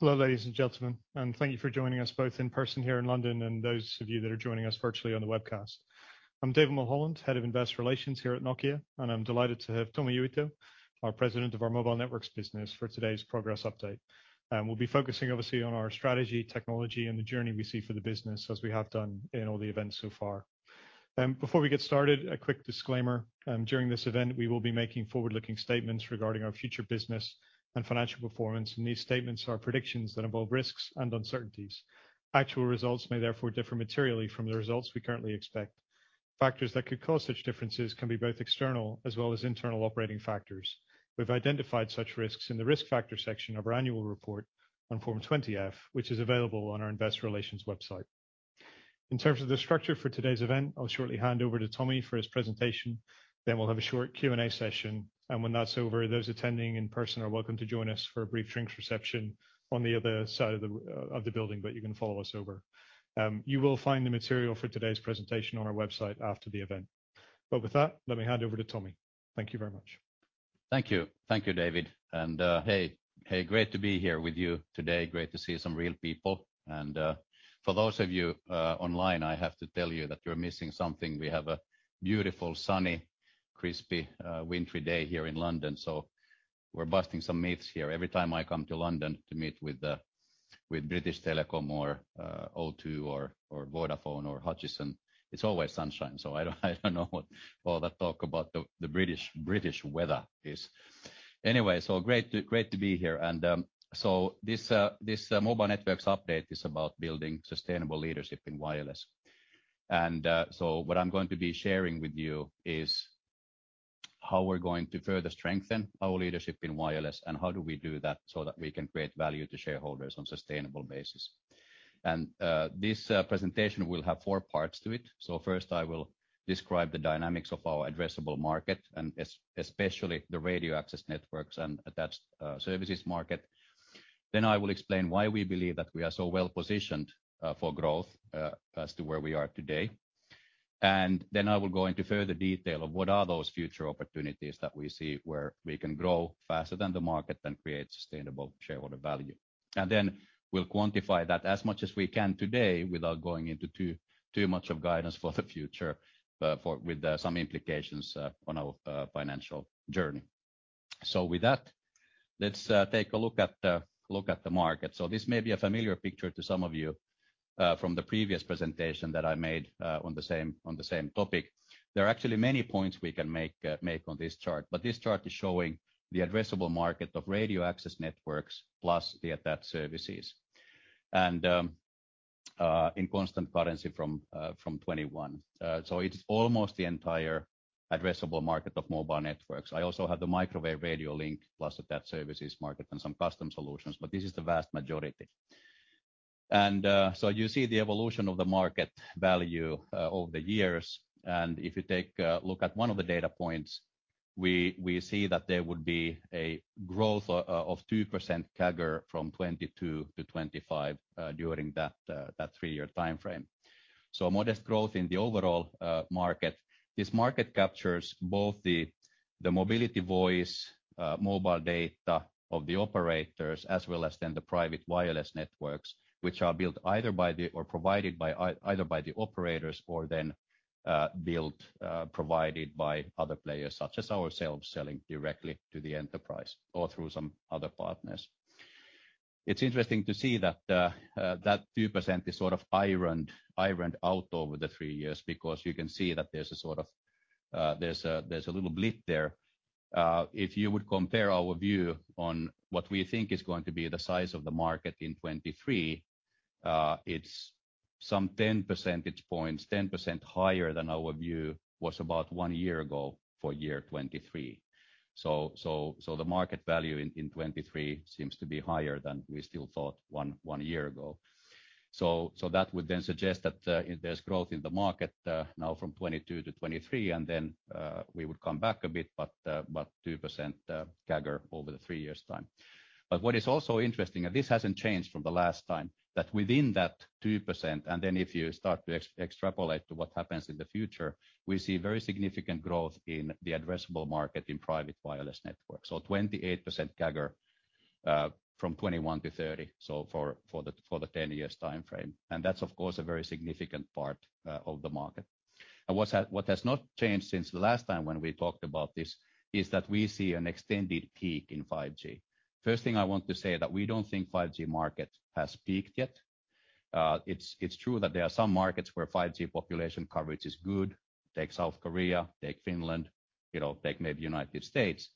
Hello, ladies and gentlemen, thank you for joining us both in person here in London and those of you that are joining us virtually on the webcast. I'm David Mulholland, head of Investor Relations here at Nokia. I'm delighted to have Tommi Uitto, our president of our Mobile Networks business for today's progress update. We'll be focusing obviously on our strategy, technology, and the journey we see for the business as we have done in all the events so far. Before we get started, a quick disclaimer. During this event, we will be making forward-looking statements regarding our future business and financial performance. These statements are predictions that involve risks and uncertainties. Actual results may therefore differ materially from the results we currently expect. Factors that could cause such differences can be both external as well as internal operating factors. We've identified such risks in the risk factor section of our annual report on Form 20-F, which is available on our investor relations website. In terms of the structure for today's event, I'll shortly hand over to Tommi for his presentation, then we'll have a short Q&A session. When that's over, those attending in person are welcome to join us for a brief drinks reception on the other side of the building, but you can follow us over. You will find the material for today's presentation on our website after the event. With that, let me hand over to Tommi. Thank you very much. Thank you. Thank you, David. Hey, great to be here with you today. Great to see some real people. For those of you online, I have to tell you that you're missing something. We have a beautiful, sunny, crispy, wintry day here in London. We're busting some myths here. Every time I come to London to meet with British Telecom or O2 or Vodafone or Hutchison, it's always sunshine. I don't know what all that talk about the British weather is. Anyway, great to be here. This Mobile Networks update is about building sustainable leadership in wireless. What I'm going to be sharing with you is how we're going to further strengthen our leadership in wireless, and how do we do that so that we can create value to shareholders on sustainable basis. This presentation will have four parts to it. First, I will describe the dynamics of our addressable market and especially the radio access networks and attached services market. I will explain why we believe that we are so well-positioned for growth as to where we are today. I will go into further detail of what are those future opportunities that we see where we can grow faster than the market and create sustainable shareholder value. Then we'll quantify that as much as we can today without going into too much of guidance for the future, with some implications on our financial journey. With that, let's take a look at the market. This may be a familiar picture to some of you from the previous presentation that I made on the same topic. There are actually many points we can make on this chart, but this chart is showing the addressable market of radio access networks plus the attached services. In constant currency from 2021. So it's almost the entire addressable market of mobile networks. I also have the microwave radio link plus attached services market and some custom solutions, but this is the vast majority. You see the evolution of the market value over the years. If you take a look at one of the data points, we see that there would be a growth of 2% CAGR from 2022-2025 during that three-year timeframe. Modest growth in the overall market. This market captures both the mobility voice, mobile data of the operators, as well as then the private wireless networks, which are built either by the or provided by either by the operators or then built, provided by other players, such as ourselves selling directly to the enterprise or through some other partners. It's interesting to see that that 2% is sort of ironed out over the three years because you can see that there's a sort of, there's a little blip there. If you would compare our view on what we think is going to be the size of the market in 2023, it's some 10 percentage points, 10% higher than our view was about one year ago for year 2023. The market value in 2023 seems to be higher than we still thought one year ago. That would then suggest that there's growth in the market now from 2022 to 2023, and then we would come back a bit, but 2% CAGR over the three years' time. What is also interesting, this hasn't changed from the last time, that within that 2%, if you start to extrapolate to what happens in the future, we see very significant growth in the addressable market in private wireless networks. 28% CAGR from 2021 to 2030, for the 10 years timeframe. That's, of course, a very significant part of the market. What has not changed since the last time when we talked about this is that we see an extended peak in 5G. First thing I want to say that we don't think 5G market has peaked yet. It's true that there are some markets where 5G population coverage is good. Take South Korea, take Finland, you know, take maybe United States.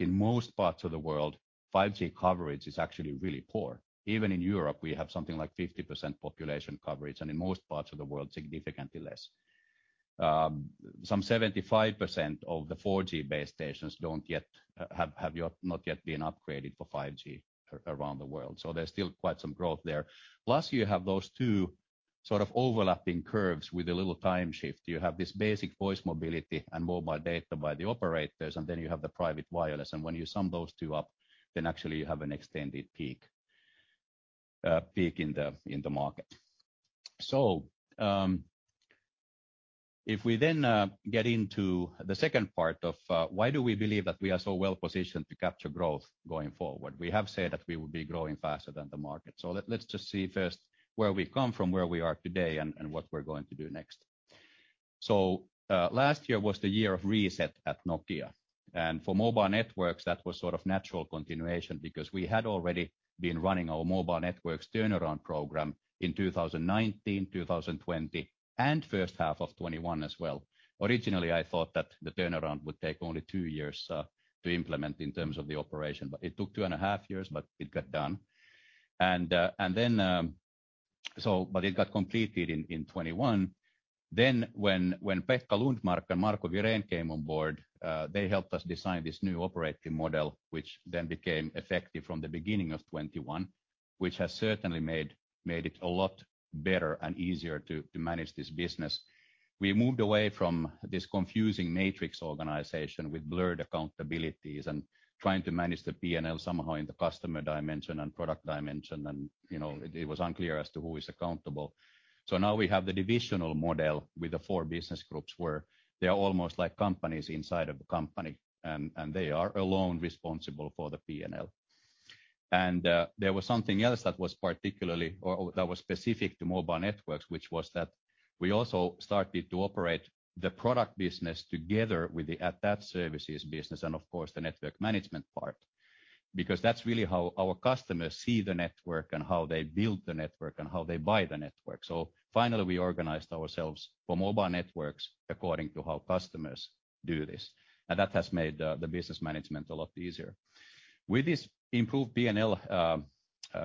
In most parts of the world, 5G coverage is actually really poor. Even in Europe, we have something like 50% population coverage, and in most parts of the world, significantly less. Some 75% of the 4G base stations not yet been upgraded for 5G around the world. There's still quite some growth there. Plus, you have those two sort of overlapping curves with a little time shift. You have this basic voice mobility and mobile data by the operators, and then you have the private wireless. When you sum those two up, then actually you have an extended peak in the market. If we then get into the second part of why do we believe that we are so well-positioned to capture growth going forward? We have said that we will be growing faster than the market. Let's just see first where we've come from, where we are today and what we're going to do next. Last year was the year of reset at Nokia, and for Mobile Networks, that was sort of natural continuation because we had already been running our Mobile Networks turnaround program in 2019, 2020, and first half of 2021 as well. Originally, I thought that the turnaround would take only two years to implement in terms of the operation. It took 2 and a half years, but it got done. It got completed in 2021. When Pekka Lundmark and Marco Wirén came on board, they helped us design this new operating model, which became effective from the beginning of 2021, which has certainly made it a lot better and easier to manage this business. We moved away from this confusing matrix organization with blurred accountabilities and trying to manage the P&L somehow in the customer dimension and product dimension and, you know, it was unclear as to who is accountable. Now we have the divisional model with the four business groups, where they are almost like companies inside of a company. They are alone responsible for the P&L. There was something else that was particularly or that was specific to Mobile Networks, which was that we also started to operate the product business together with the services business and of course the network management part. That's really how our customers see the network and how they build the network and how they buy the network. Finally, we organized ourselves for Mobile Networks according to how customers do this. That has made the business management a lot easier. With this improved P&L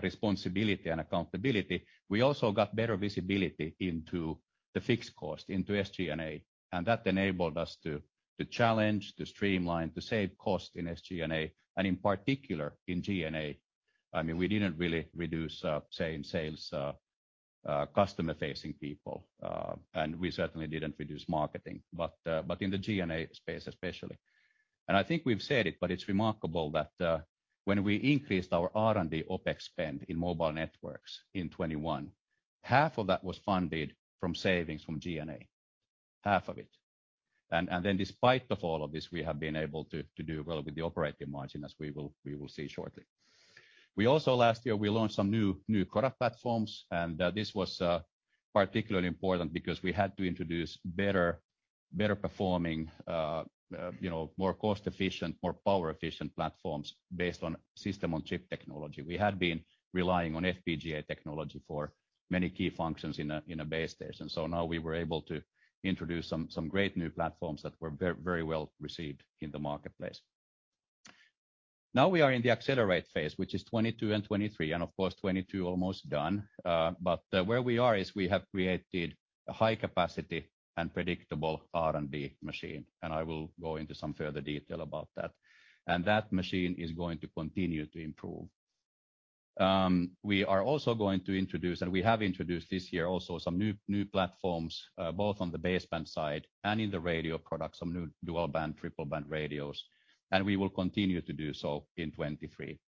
responsibility and accountability, we also got better visibility into the fixed cost into SG&A, and that enabled us to challenge, to streamline, to save cost in SG&A, and in particular in G&A. I mean, we didn't really reduce, say, in sales, customer-facing people, and we certainly didn't reduce marketing. In the G&A space especially. I think we've said it, but it's remarkable that when we increased our R&D OpEx spend in Mobile Networks in 2021, half of that was funded from savings from G&A. Half of it. Despite of all of this, we have been able to do well with the operating margin as we will see shortly. We also last year, we launched some new product platforms, this was particularly important because we had to introduce better performing, you know, more cost efficient, more power efficient platforms based on System-on-Chip technology. We had been relying on FPGA technology for many key functions in a base station. Now we were able to introduce some great new platforms that were very well received in the marketplace. Now we are in the accelerate phase, which is 2022 and 2023 and of course 2022 almost done. Where we are is we have created a high capacity and predictable R&D machine, and I will go into some further detail about that. That machine is going to continue to improve. We are also going to introduce, and we have introduced this year also some new platforms, both on the baseband side and in the radio products, some new dual-band, triple-band radios, and we will continue to do so in 2023.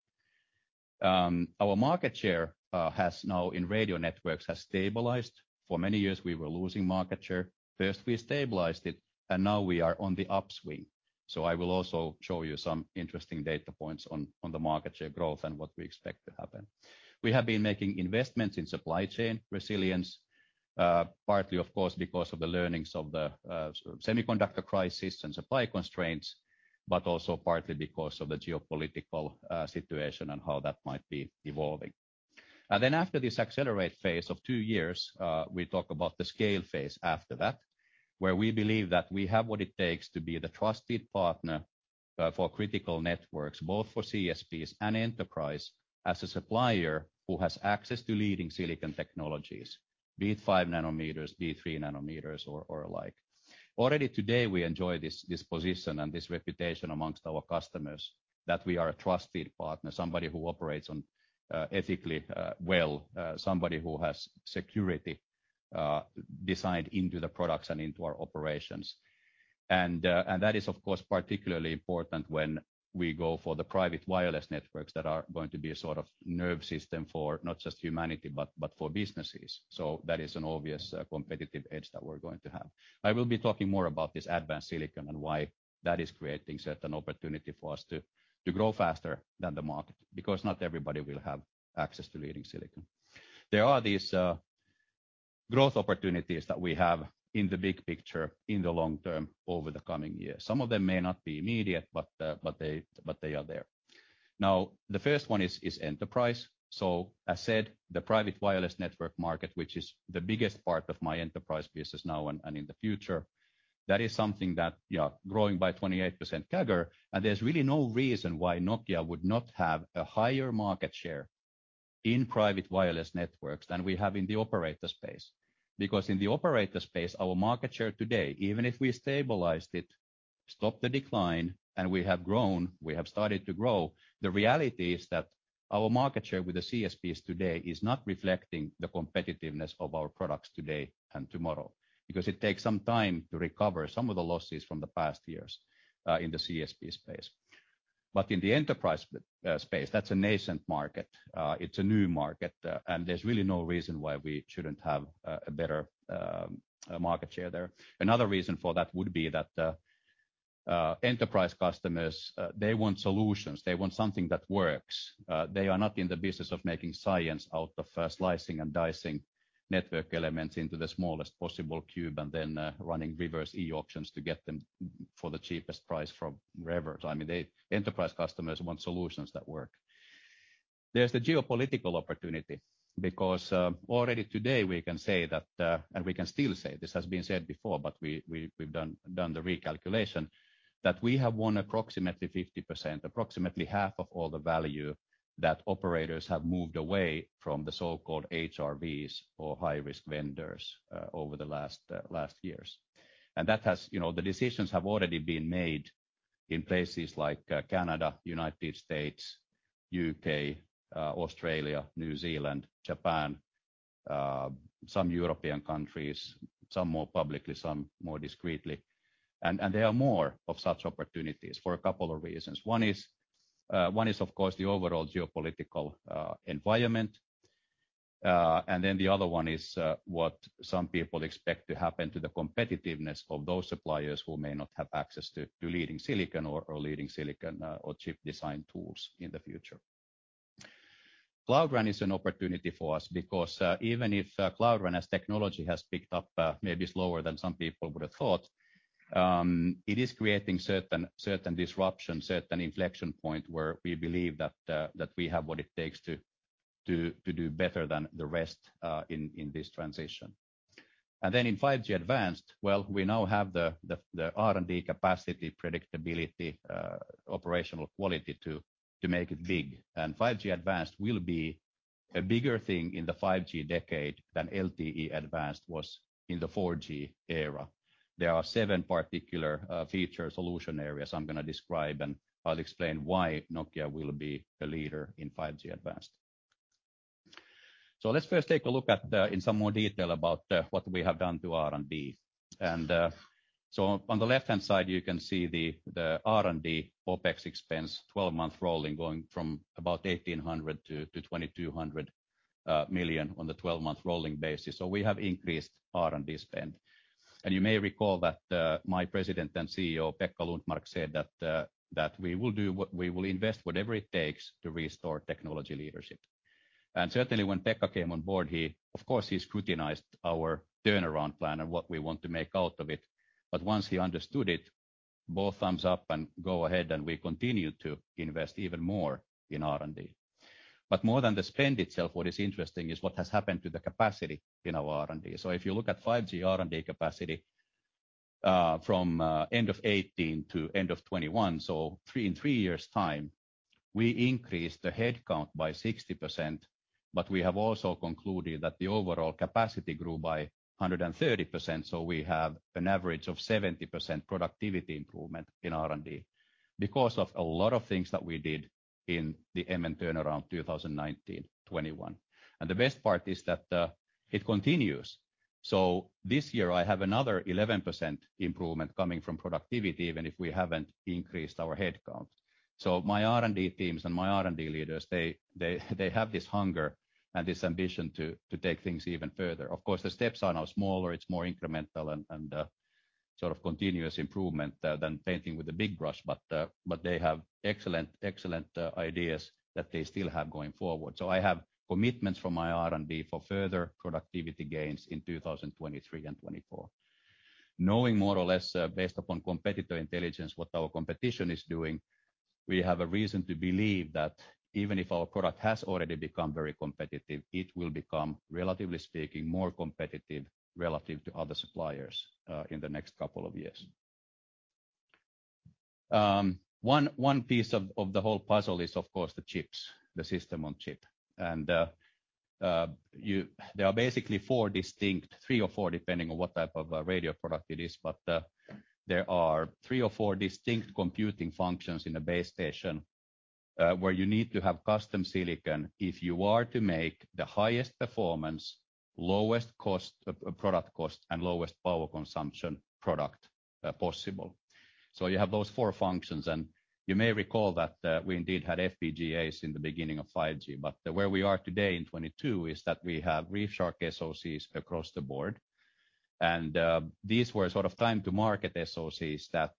Our market share has now in radio networks has stabilized. For many years, we were losing market share. First, we stabilized it, now we are on the upswing. I will also show you some interesting data points on the market share growth and what we expect to happen. We have been making investments in supply chain resilience, partly of course because of the learnings of the semiconductor crisis and supply constraints, but also partly because of the geopolitical situation and how that might be evolving. After this accelerate phase of two years, we talk about the scale phase after that, where we believe that we have what it takes to be the trusted partner for critical networks, both for CSPs and enterprise, as a supplier who has access to leading silicon technologies, be it five nanometers, be it three nanometers or alike. Already today we enjoy this position and this reputation amongst our customers that we are a trusted partner, somebody who operates on ethically well, somebody who has security designed into the products and into our operations. That is of course, particularly important when we go for the private wireless networks that are going to be a sort of nerve system for not just humanity but for businesses. That is an obvious competitive edge that we're going to have. I will be talking more about this advanced silicon and why that is creating certain opportunity for us to grow faster than the market, because not everybody will have access to leading silicon. There are these growth opportunities that we have in the big picture in the long term over the coming years. Some of them may not be immediate, but they are there. The first one is enterprise. As said, the private wireless network market, which is the biggest part of my enterprise business now and in the future, that is something that growing by 28% CAGR, and there's really no reason why Nokia would not have a higher market share in private wireless networks than we have in the operator space. In the operator space, our market share today, even if we stabilized it, stopped the decline, and we have grown, we have started to grow. The reality is that our market share with the CSPs today is not reflecting the competitiveness of our products today and tomorrow. It takes some time to recover some of the losses from the past years in the CSP space. In the enterprise space, that's a nascent market. It's a new market, and there's really no reason why we shouldn't have a better market share there. Another reason for that would be that enterprise customers, they want solutions. They want something that works. They are not in the business of making science out of slicing and dicing network elements into the smallest possible cube and then running reverse e-auctions to get them for the cheapest price from wherever. I mean, enterprise customers want solutions that work. There's the geopolitical opportunity because already today we can say that and we can still say, this has been said before, but we've done the recalculation, that we have won approximately 50%, approximately half of all the value that operators have moved away from the so-called HRVs or high-risk vendors over the last years. That has, you know, the decisions have already been made in places like Canada, United States, U.K., Australia, New Zealand, Japan, some European countries, some more publicly, some more discreetly. There are more of such opportunities for a couple of reasons. One is one is, of course, the overall geopolitical environment. The other one is what some people expect to happen to the competitiveness of those suppliers who may not have access to leading silicon or chip design tools in the future. Cloud RAN is an opportunity for us because even if Cloud RAN as technology has picked up maybe slower than some people would have thought, it is creating certain disruption, certain inflection point where we believe that we have what it takes to do better than the rest in this transition. In 5G Advanced, well, we now have the R&D capacity, predictability, operational quality to make it big. 5G Advanced will be a bigger thing in the 5G decade than LTE Advanced was in the 4G era. There are seven particular feature solution areas I'm gonna describe, and I'll explain why Nokia will be the leader in 5G-Advanced. Let's first take a look in some more detail about what we have done to R&D. On the left-hand side, you can see the R&D OpEx expense 12-month rolling, going from about 1,800 million-2,200 million on the 12-month rolling basis. We have increased R&D spend. You may recall that, my President and CEO, Pekka Lundmark, said that we will invest whatever it takes to restore technology leadership. Certainly, when Pekka came on board, he, of course, he scrutinized our turnaround plan and what we want to make out of it. Once he understood it, both thumbs up and go ahead, we continued to invest even more in R&D. More than the spend itself, what is interesting is what has happened to the capacity in our R&D. If you look at 5G R&D capacity, from end of 2018 to end of 2021, in three years' time, we increased the headcount by 60%, but we have also concluded that the overall capacity grew by 130%. We have an average of 70% productivity improvement in R&D because of a lot of things that we did in the MN turnaround 2019, 2021. The best part is that it continues. This year I have another 11% improvement coming from productivity, even if we haven't increased our headcount. My R&D teams and my R&D leaders, they have this hunger and this ambition to take things even further. Of course, the steps are now smaller, it's more incremental and sort of continuous improvement than painting with a big brush. They have excellent ideas that they still have going forward. I have commitments from my R&D for further productivity gains in 2023 and 2024. Knowing more or less based upon competitor intelligence, what our competition is doing, we have a reason to believe that even if our product has already become very competitive, it will become, relatively speaking, more competitive relative to other suppliers in the next couple of years. One piece of the whole puzzle is, of course, the chips, the System-on-Chip. There are basically four distinct, three or four, depending on what type of a radio product it is. There are three or four distinct computing functions in a base station, where you need to have custom silicon if you are to make the highest performance, lowest cost, product cost, and lowest power consumption product, possible. You have those four functions, and you may recall that, we indeed had FPGAs in the beginning of 5G. Where we are today in 2022 is that we have ReefShark SoCs across the board. These were sort of time to market SoCs that,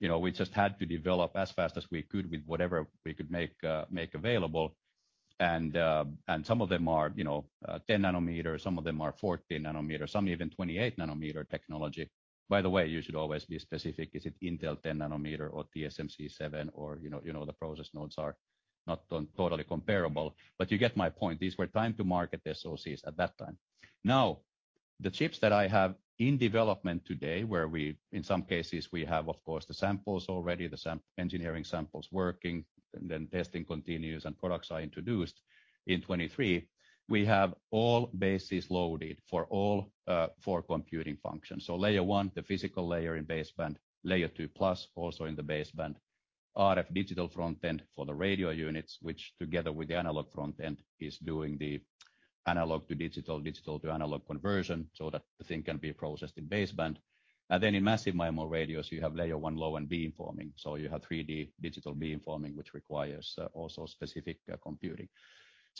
you know, we just had to develop as fast as we could with whatever we could make available. Some of them are, you know, 10 nanometer, some of them are 14 nanometer, some even 28 nanometer technology. By the way, you should always be specific. Is it Intel 10 nanometer or TSMC 7? You know, you know the process nodes are not totally comparable. You get my point. These were time to market SoCs at that time. The chips that I have in development today, where we, in some cases, we have, of course, the samples already, the engineering samples working, and then testing continues and products are introduced in 2023. We have all bases loaded for all four computing functions. Layer 1, the physical layer in baseband. Layer 2+, also in the baseband. RF digital front-end for the radio units, which together with the analog front-end is doing the analog to digital to analog conversion so that the thing can be processed in baseband. In Massive MIMO radios, you have layer one low and beamforming. You have 3-D digital beamforming, which requires also specific computing.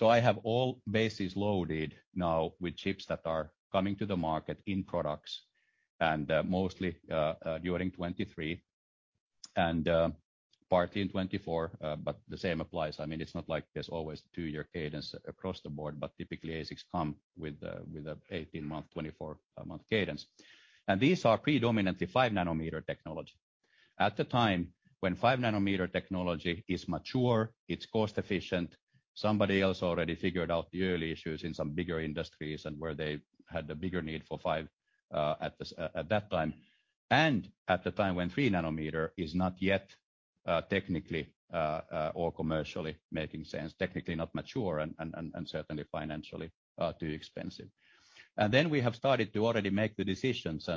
I have all bases loaded now with chips that are coming to the market in products, mostly during 2023 and partly in 2024. The same applies. I mean, it's not like there's always 2-year cadence across the board, typically ASICs come with a 18-month, 24-month cadence. These are predominantly five nanometer technology. At the time when five nanometer technology is mature, it's cost efficient, somebody else already figured out the early issues in some bigger industries and where they had a bigger need for five at this at that time. At the time when three nanometer is not yet technically or commercially making sense. Technically not mature and certainly financially too expensive. We have started to already make the decisions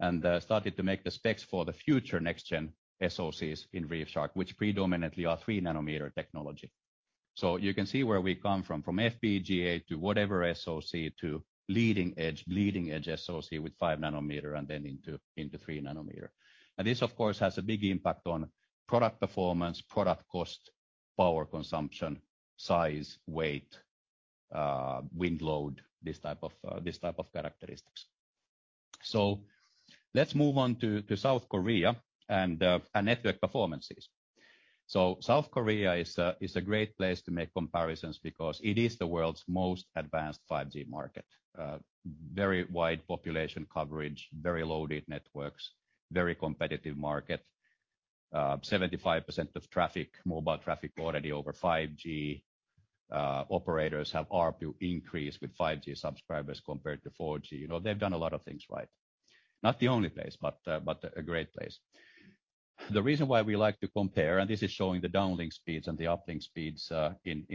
and started to make the specs for the future next-gen SoCs in ReefShark, which predominantly are three nanometer technology. You can see where we come from. From FPGA to whatever SoC to leading-edge, leading-edge SoC with five nanometer and then into three nanometer. This, of course, has a big impact on product performance, product cost, power consumption, size, weight, wind load, this type of characteristics. Let's move on to South Korea and network performances. South Korea is a great place to make comparisons because it is the world's most advanced 5G market. Very wide population coverage, very loaded networks, very competitive market. 75% of traffic, mobile traffic already over 5G. Operators have RP increase with 5G subscribers compared to 4G. You know, they've done a lot of things right. Not the only place, but a great place. The reason why we like to compare, and this is showing the downlink speeds and the uplink speeds, in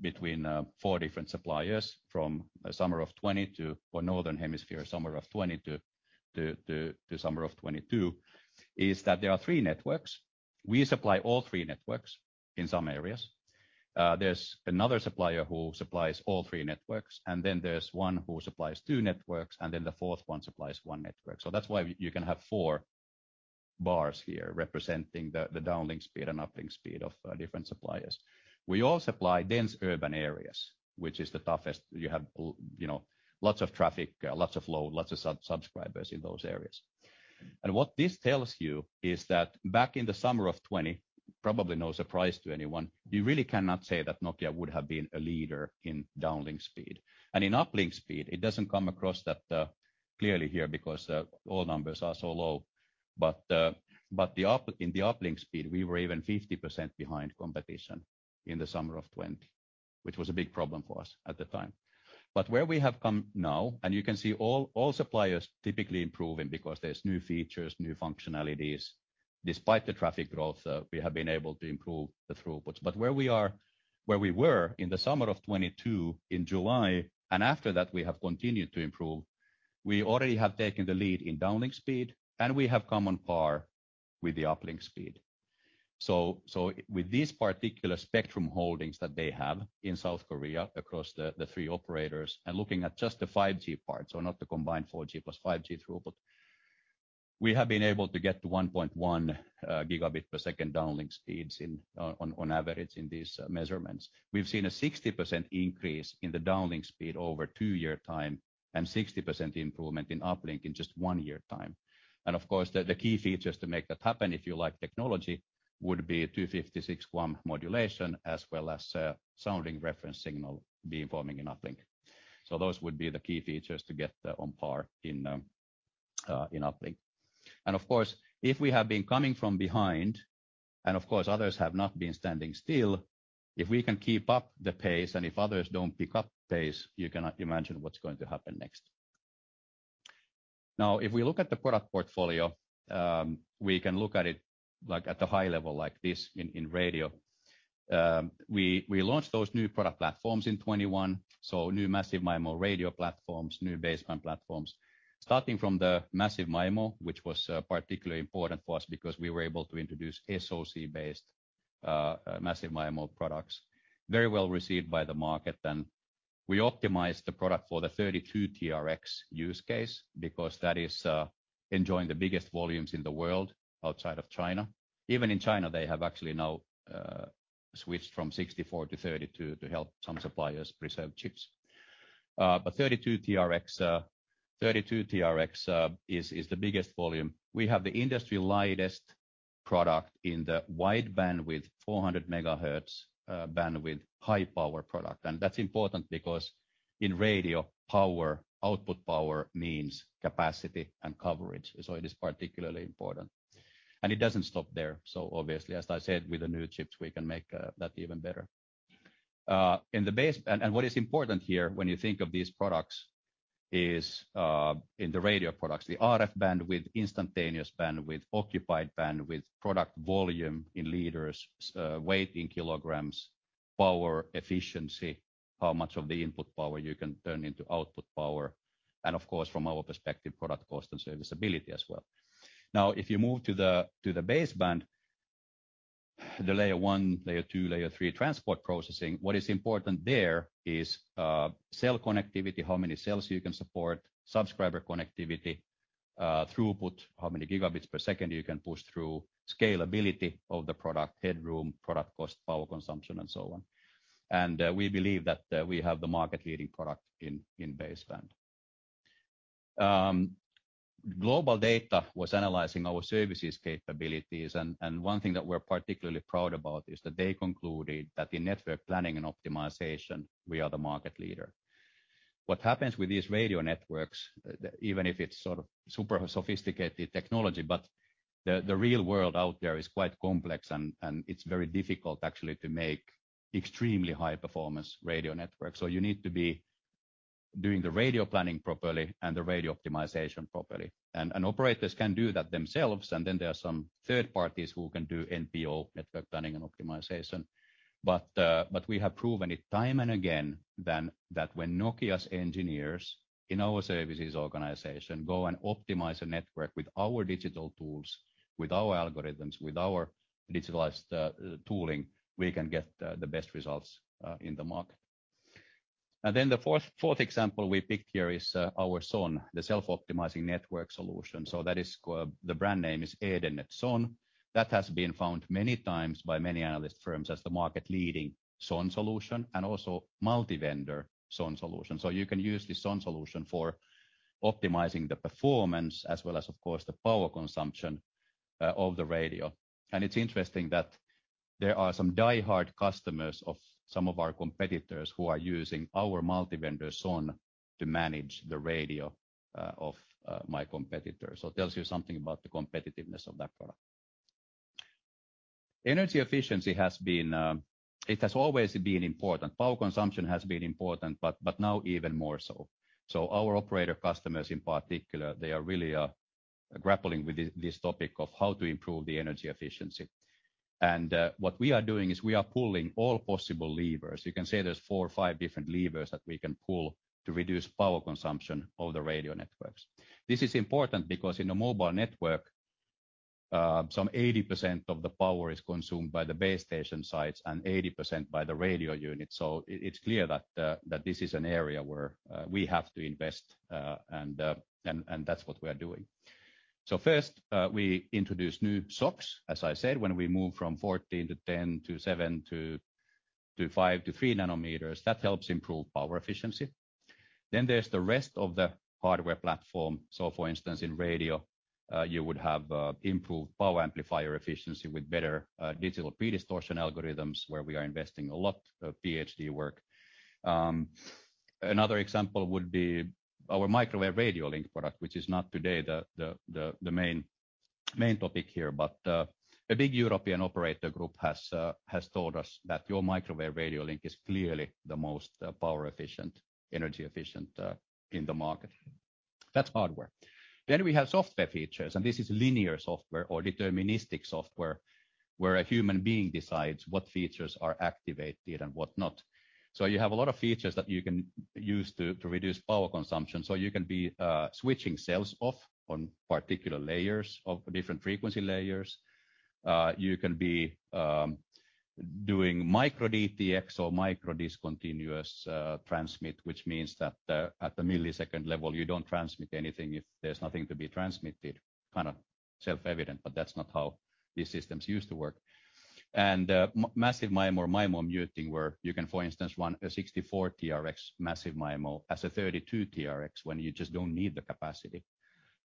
between four different suppliers from summer of 2020 or Northern Hemisphere summer of 2020 to summer of 2022, is that there are three networks. We supply all three networks in some areas. There's another supplier who supplies all three networks, and then there's one who supplies two networks, and then the fourth one supplies one network. That's why you can have four bars here representing the downlink speed and uplink speed of different suppliers. We all supply dense urban areas, which is the toughest. You have, you know, lots of traffic, lots of load, lots of subscribers in those areas. What this tells you is that back in the summer of 2020, probably no surprise to anyone, you really cannot say that Nokia would have been a leader in downlink speed. In uplink speed, it doesn't come across that clearly here because all numbers are so low. In the uplink speed, we were even 50% behind competition in the summer of 2020, which was a big problem for us at the time. Where we have come now, and you can see all suppliers typically improving because there's new features, new functionalities. Despite the traffic growth, we have been able to improve the throughputs. Where we were in the summer of 2022 in July, and after that we have continued to improve. We already have taken the lead in downlink speed, and we have come on par with the uplink speed. With these particular spectrum holdings that they have in South Korea across the three operators and looking at just the 5G part, not the combined 4G plus 5G throughput, we have been able to get to 1.1 gigabit per second downlink speeds on average in these measurements. We've seen a 60% increase in the downlink speed over 2-year time and 60% improvement in uplink in just 1-year time. Of course, the key features to make that happen, if you like technology, would be 256 QAM modulation as well as sounding reference signal beamforming in uplink. Those would be the key features to get on par in uplink. Of course, if we have been coming from behind, and of course others have not been standing still, if we can keep up the pace and if others don't pick up pace, you can imagine what's going to happen next. Now, if we look at the product portfolio, we can look at it at the high level like this in radio. We, we launched those new product platforms in 2021, so new Massive MIMO radio platforms, new baseband platforms. Starting from the Massive MIMO, which was particularly important for us because we were able to introduce SoC-based Massive MIMO products. Very well received by the market. Then we optimized the product for the 32 TRX use case because that is enjoying the biggest volumes in the world outside of China. Even in China, they have actually now, switched from 64 to 32 to help some suppliers preserve chips. 32 TRX is the biggest volume. We have the industry lightest product in the wide bandwidth, 400 megahertz, bandwidth, high power product. That's important because in radio, power, output power means capacity and coverage. It is particularly important. It doesn't stop there. Obviously, as I said, with the new chips, we can make that even better. What is important here when you think of these products is, in the radio products. The RF bandwidth, instantaneous bandwidth, occupied bandwidth, product volume in liters, weight in kilograms, power efficiency, how much of the input power you can turn into output power, and of course, from our perspective, product cost and serviceability as well. Now, if you move to the baseband. The layer one, layer two, layer three transport processing. What is important there is cell connectivity, how many cells you can support, subscriber connectivity, throughput, how many gigabits per second you can push through, scalability of the product, headroom, product cost, power consumption, and so on. And we believe that we have the market-leading product in baseband. GlobalData was analyzing our services capabilities, and one thing that we're particularly proud about is that they concluded that in network planning and optimization, we are the market leader. What happens with these radio networks, even if it's sort of super sophisticated technology, but the real world out there is quite complex and, it's very difficult actually to make extremely high performance radio networks. You need to be doing the radio planning properly and the radio optimization properly. Operators can do that themselves, and then there are some third parties who can do NPO, network planning and optimization. We have proven it time and again that when Nokia's engineers in our services organization go and optimize a network with our digital tools, with our algorithms, with our digitalized tooling, we can get the best results in the market. Then the fourth example we picked here is our SON, the Self Optimizing Network solution. The brand name is AirScale SON. That has been found many times by many analyst firms as the market leading SON solution and also multi-vendor SON solution. You can use the SON solution for optimizing the performance as well as, of course, the power consumption of the radio. It's interesting that there are some diehard customers of some of our competitors who are using our multi-vendor SON to manage the radio of my competitors. It tells you something about the competitiveness of that product. Energy efficiency has been, it has always been important. Power consumption has been important, but now even more so. Our operator customers in particular, they are really grappling with this topic of how to improve the energy efficiency. What we are doing is we are pulling all possible levers. You can say there's four or five different levers that we can pull to reduce power consumption of the radio networks. This is important because in a mobile network, some 80% of the power is consumed by the base station sites and 80% by the radio unit. It, it's clear that this is an area where we have to invest, and that's what we are doing. First, we introduce new SoCs. As I said, when we move from 14 to 10 to seven to five to three nanometers, that helps improve power efficiency. There's the rest of the hardware platform. For instance, in radio, you would have improved power amplifier efficiency with better digital predistortion algorithms, where we are investing a lot of PhD work. Another example would be our microwave radio link product, which is not today the main topic here. A big European operator group has told us that your microwave radio link is clearly the most power efficient, energy efficient in the market. That's hardware. We have software features, and this is linear software or deterministic software, where a human being decides what features are activated and what not. You have a lot of features that you can use to reduce power consumption. You can be switching cells off on particular layers of different frequency layers. You can be doing micro DTX or micro discontinuous transmit, which means that at the millisecond level, you don't transmit anything if there's nothing to be transmitted. Kind of self-evident, but that's not how these systems used to work. Massive MIMO or MIMO muting, where you can, for instance, run a 64 TRX Massive MIMO as a 32 TRX when you just don't need the capacity.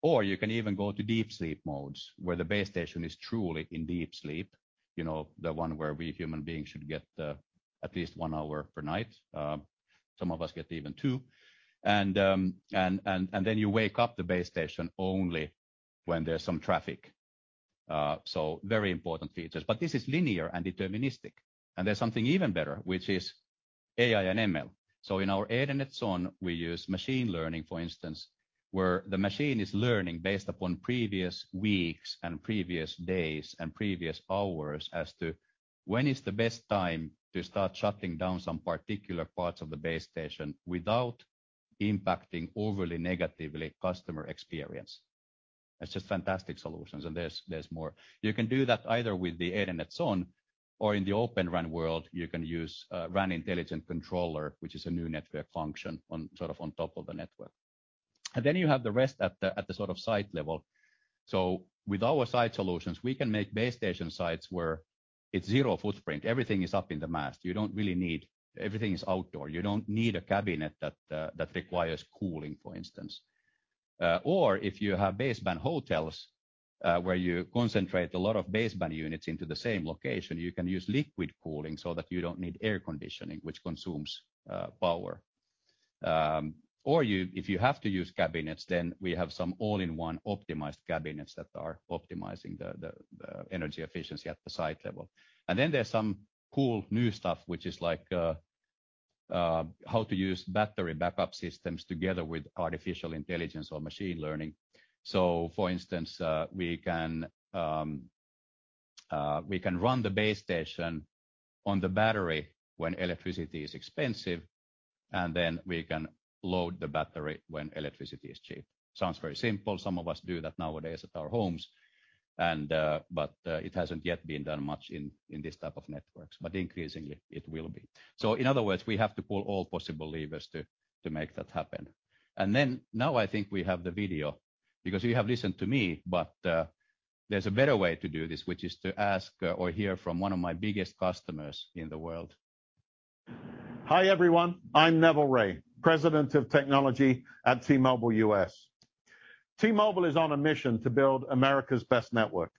You can even go to deep sleep modes, where the base station is truly in deep sleep. You know, the one where we human beings should get at least one hour per night. Some of us get even two. You wake up the base station only when there's some traffic. Very important features. This is linear and deterministic. There's something even better, which is AI and ML. In our AirScale SON, we use machine learning, for instance, where the machine is learning based upon previous weeks and previous days and previous hours as to when is the best time to start shutting down some particular parts of the base station without impacting overly negatively customer experience. That's just fantastic solutions, and there's more. You can do that either with the AirScale SON or in the Open RAN world, you can use RAN Intelligent Controller, which is a new network function sort of on top of the network. And then you have the rest at the site level. With our site solutions, we can make base station sites where it's zero footprint. Everything is up in the mast. Everything is outdoor. You don't need a cabinet that requires cooling, for instance. If you have baseband hotels, where you concentrate a lot of baseband units into the same location, you can use liquid cooling so that you don't need air conditioning, which consumes power. If you have to use cabinets, then we have some all-in-one optimized cabinets that are optimizing the energy efficiency at the site level. Then there's some cool new stuff which is like how to use battery backup systems together with artificial intelligence or machine learning. For instance, we can run the base station on the battery when electricity is expensive. Then we can load the battery when electricity is cheap. Sounds very simple. Some of us do that nowadays at our homes, but it hasn't yet been done much in this type of networks. Increasingly it will be. In other words, we have to pull all possible levers to make that happen. Then now I think we have the video, because you have listened to me, but there's a better way to do this, which is to ask or hear from one of my biggest customers in the world. Hi everyone, I'm Neville Ray, President of Technology at T-Mobile US. T-Mobile is on a mission to build America's best network,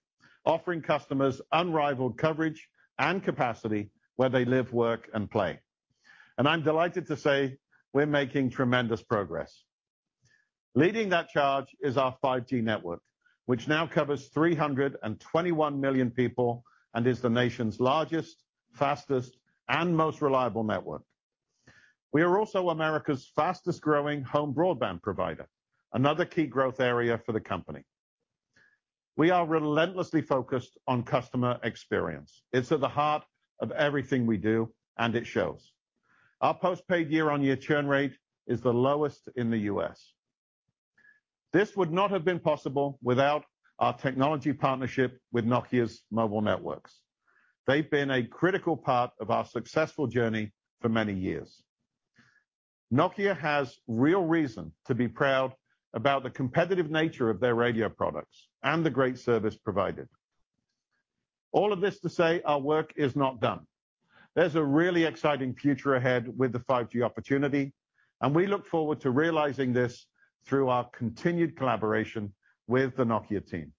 offering customers unrivaled coverage and capacity where they live, work, and play. I'm delighted to say we're making tremendous progress. Leading that charge is our 5G network, which now covers 321 million people and is the nation's largest, fastest, and most reliable network. We are also America's fastest growing home broadband provider, another key growth area for the company. We are relentlessly focused on customer experience. It's at the heart of everything we do, and it shows. Our post-paid year-on-year churn rate is the lowest in the U.S. This would not have been possible without our technology partnership with Nokia's Mobile Networks. They've been a critical part of our successful journey for many years. Nokia has real reason to be proud about the competitive nature of their radio products and the great service provided. All of this to say, our work is not done. There's a really exciting future ahead with the 5G opportunity, and we look forward to realizing this through our continued collaboration with the Nokia team.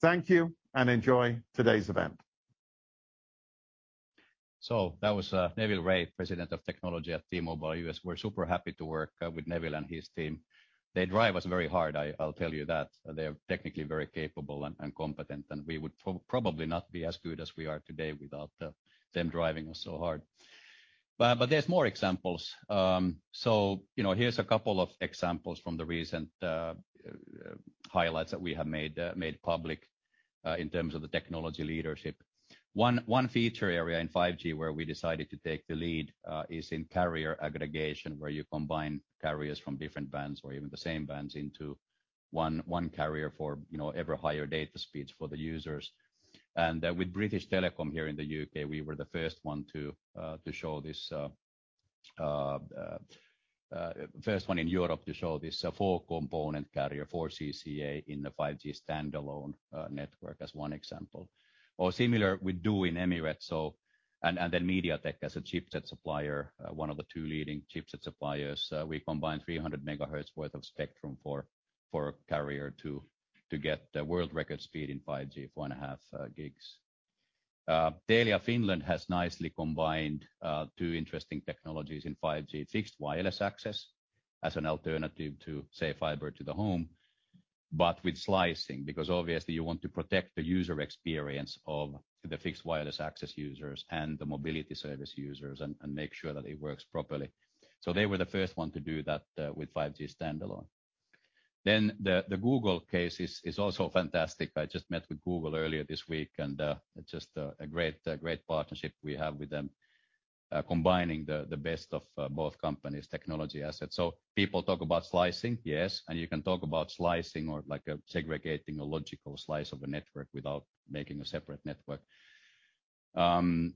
Thank you and enjoy today's event. That was Neville Ray, President of Technology at T-Mobile US. We're super happy to work with Neville and his team. They drive us very hard, I'll tell you that. They're technically very capable and competent, and we would probably not be as good as we are today without them driving us so hard. There's more examples. You know, here's a couple of examples from the recent highlights that we have made public in terms of the technology leadership. One feature area in 5G where we decided to take the lead is in carrier aggregation, where you combine carriers from different bands or even the same bands into one carrier for, you know, ever higher data speeds for the users. With British Telecom here in the U.K., we were the first one to show this first one in Europe to show this four component carrier, four CCA in the 5G Standalone network as one example, or similar with du in Emirates. MediaTek as a chipset supplier, one of the two leading chipset suppliers. We combine 300 MHz worth of spectrum for a carrier to get the world record speed in 5G, four and a half gigs. Telia Finland has nicely combined two interesting technologies in 5G fixed wireless access as an alternative to say, fiber to the home, but with slicing, because obviously you want to protect the user experience of the fixed wireless access users and the mobility service users and make sure that it works properly. They were the first one to do that with 5G Standalone. The Google case is also fantastic. I just met with Google earlier this week, and it's just a great partnership we have with them, combining the best of both companies' technology assets. People talk about slicing, yes, and you can talk about slicing or like a segregating a logical slice of a network without making a separate network.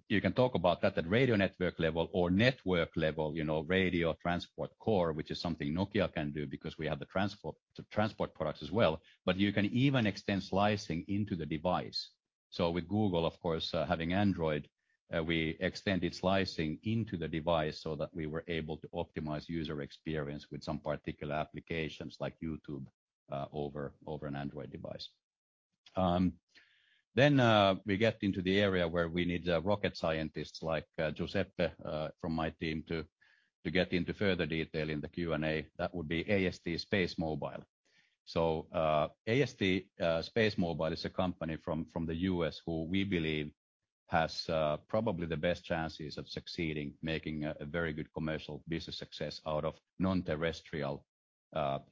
You can talk about that at radio network level or network level, you know, radio transport core, which is something Nokia can do because we have the transport products as well. You can even extend slicing into the device. With Google, of course, having Android, we extended slicing into the device so that we were able to optimize user experience with some particular applications like YouTube, over an Android device. We get into the area where we need rocket scientists like Giuseppe from my team to get into further detail in the Q&A. That would be AST SpaceMobile. AST SpaceMobile is a company from the U.S. who we believe has probably the best chances of succeeding, making a very good commercial business success out of non-terrestrial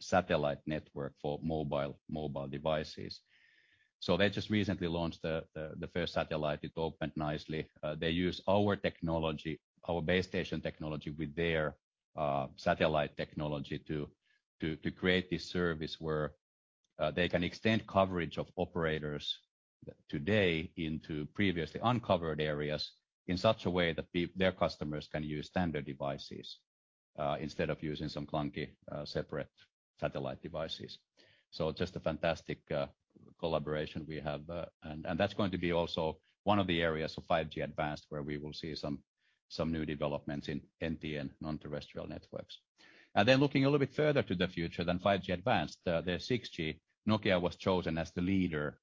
satellite network for mobile devices. They just recently launched the first satellite. It opened nicely. They use our technology, our base station technology with their satellite technology to create this service where they can extend coverage of operators today into previously uncovered areas in such a way that their customers can use standard devices instead of using some clunky, separate satellite devices. Just a fantastic collaboration we have. And that's going to be also one of the areas of 5G Advanced, where we will see some new developments in NTN, non-terrestrial networks. Looking a little bit further to the future than 5G Advanced, the 6G. Nokia was chosen as the leader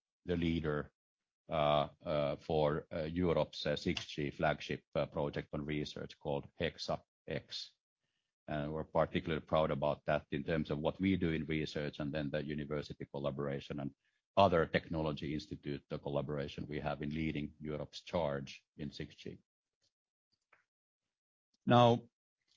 for Europe's 6G flagship project on research called Hexa-X. We're particularly proud about that in terms of what we do in research and then the university collaboration and other technology institute, the collaboration we have in leading Europe's charge in 6G.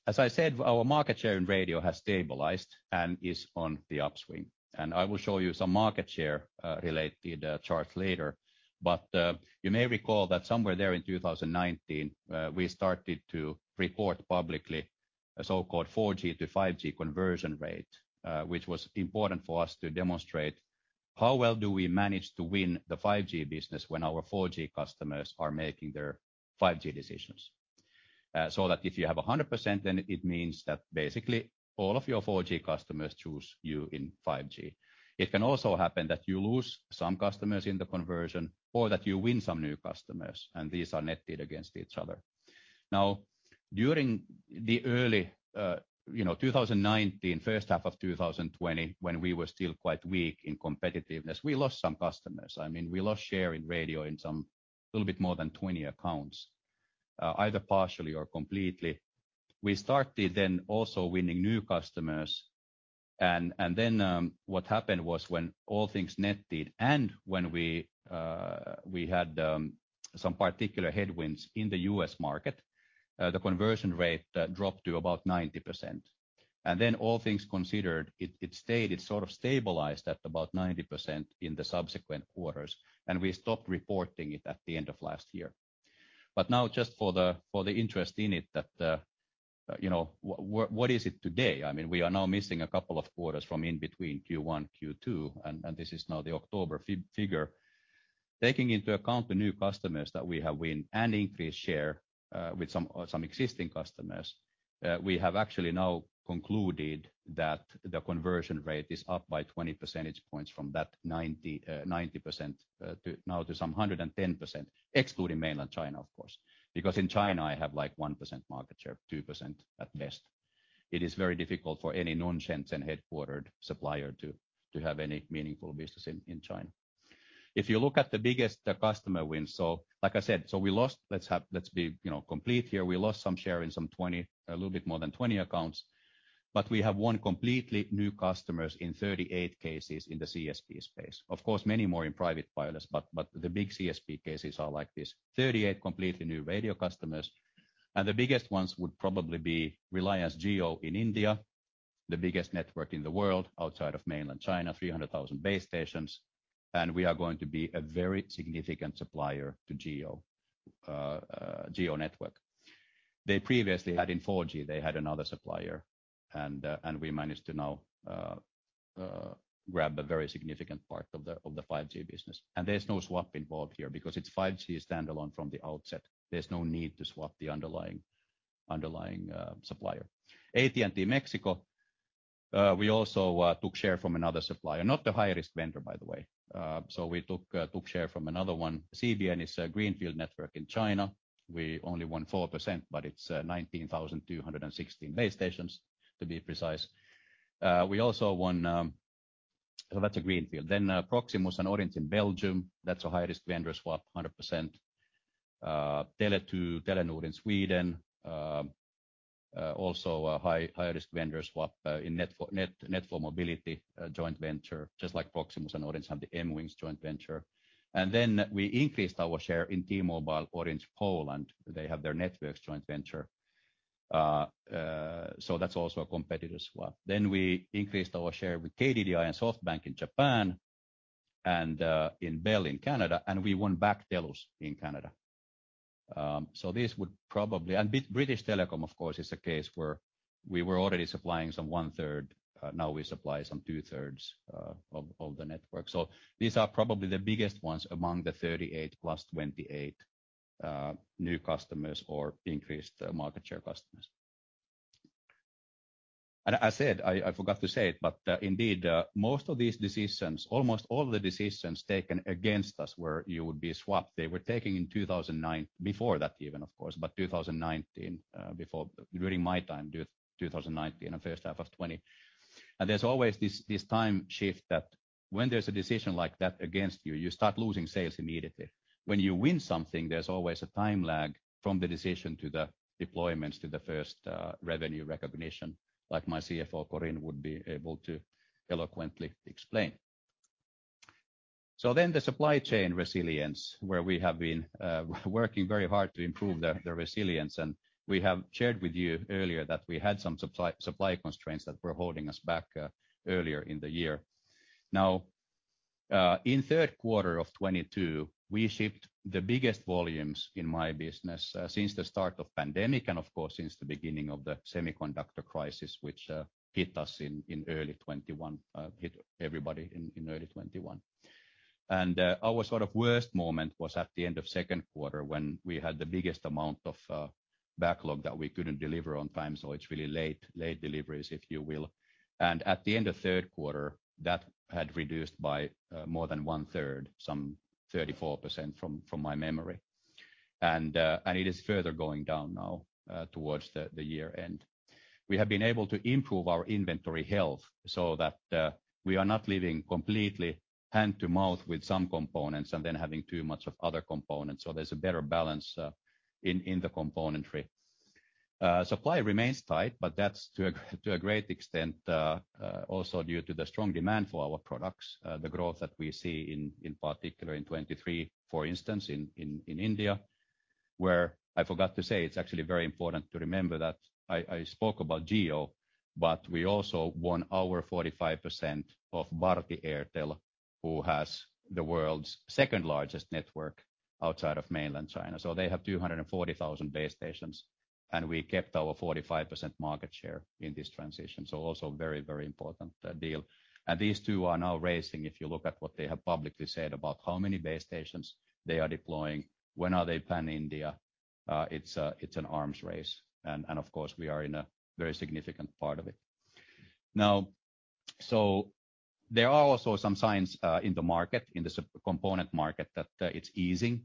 As I said, our market share in radio has stabilized and is on the upswing. I will show you some market share related charts later. You may recall that somewhere there in 2019, we started to report publicly a so-called 4G to 5G conversion rate, which was important for us to demonstrate how well do we manage to win the 5G business when our 4G customers are making their 5G decisions. If you have 100%, then it means that basically all of your 4G customers choose you in 5G. It can also happen that you lose some customers in the conversion or that you win some new customers, and these are netted against each other. Now, during the early, you know, 2019, first half of 2020, when we were still quite weak in competitiveness, we lost some customers. I mean, we lost share in radio in some little bit more than 20 accounts, either partially or completely. We started then also winning new customers and then what happened was when all things netted and when we had some particular headwinds in the U.S. market, the conversion rate dropped to about 90%. And then all things considered, it stayed. It sort of stabilized at about 90% in the subsequent quarters, and we stopped reporting it at the end of last year. Now just for the, for the interest in it that, you know, what is it today? I mean, we are now missing a couple of quarters from in between Q1, Q2, and this is now the October figure. Taking into account the new customers that we have win and increased share, with some existing customers, we have actually now concluded that the conversion rate is up by 20 percentage points from that 90% to now to some 110%, excluding Mainland China, of course. Because in China, I have like 1% market share, 2% at best. It is very difficult for any non-Shenzhen-headquartered supplier to have any meaningful business in China. Like I said, so we lost. Let's be, you know, complete here. We lost some share in some 20, a little bit more than 20 accounts. We have won completely new customers in 38 cases in the CSP space. Of course, many more in private wireless, but the big CSP cases are like this, 38 completely new radio customers, and the biggest ones would probably be Reliance Jio in India, the biggest network in the world outside of mainland China, 300,000 base stations. We are going to be a very significant supplier to Jio network. They previously had in 4G, they had another supplier and we managed to now grab a very significant part of the 5G business. There's no swap involved here because it's 5G Standalone from the outset. There's no need to swap the underlying supplier. AT&T Mexico, we also took share from another supplier. Not the high-risk vendor, by the way. We took share from another one. CBN is a greenfield network in China. We only won 4%, but it's 19,216 base stations, to be precise. We also won. That's a greenfield. Proximus and Orange in Belgium, that's a high-risk vendor swap, 100%. Tele2, Telenor in Sweden, also a high-risk vendor swap in Net4Mobility joint venture. Just like Proximus and Orange have the MWingz joint venture. We increased our share in T-Mobile, Orange Poland. They have their networks joint venture. That's also a competitor swap. We increased our share with KDDI and SoftBank in Japan and in Bell in Canada, and we won back TELUS in Canada. So this would probably. British Telecom, of course, is a case where we were already supplying some 1/3. Now we supply some 2/3 of the network. These are probably the biggest ones among the 38 plus 28 new customers or increased market share customers. I said, I forgot to say it, but indeed, most of these decisions, almost all the decisions taken against us were you would be swapped. They were taken in 2009 before that even, of course, but 2019 during my time, 2019 and first half of 2020. There's always this time shift that when there's a decision like that against you start losing sales immediately. When you win something, there's always a time lag from the decision to the deployments to the first revenue recognition, like my CFO, Corinne, would be able to eloquently explain. The supply chain resilience, where we have been working very hard to improve the resilience, and we have shared with you earlier that we had some supply constraints that were holding us back earlier in the year. Now, in third quarter of 2022, we shipped the biggest volumes in my business since the start of pandemic and of course, since the beginning of the semiconductor crisis, which hit us in early 2021, hit everybody in early 2021. Our sort of worst moment was at the end of second quarter when we had the biggest amount of backlog that we couldn't deliver on time. It's really late deliveries, if you will. At the end of third quarter, that had reduced by more than one-third, some 34% from my memory. It is further going down now towards the year-end. We have been able to improve our inventory health so that we are not living completely hand-to-mouth with some components and then having too much of other components. There's a better balance in the componentry. Supply remains tight, but that's to a great extent also due to the strong demand for our products. The growth that we see in particular in 2023, for instance, in India. I forgot to say, it's actually very important to remember that I spoke about Jio. We also won our 45% of Bharti Airtel, who has the world's second-largest network outside of mainland China. They have 240,000 base stations, and we kept our 45% market share in this transition. Also very important deal. These two are now racing, if you look at what they have publicly said about how many base stations they are deploying, when are they pan-India. It's an arms race and of course, we are in a very significant part of it. Now, there are also some signs in the market, in the sub-component market that it's easing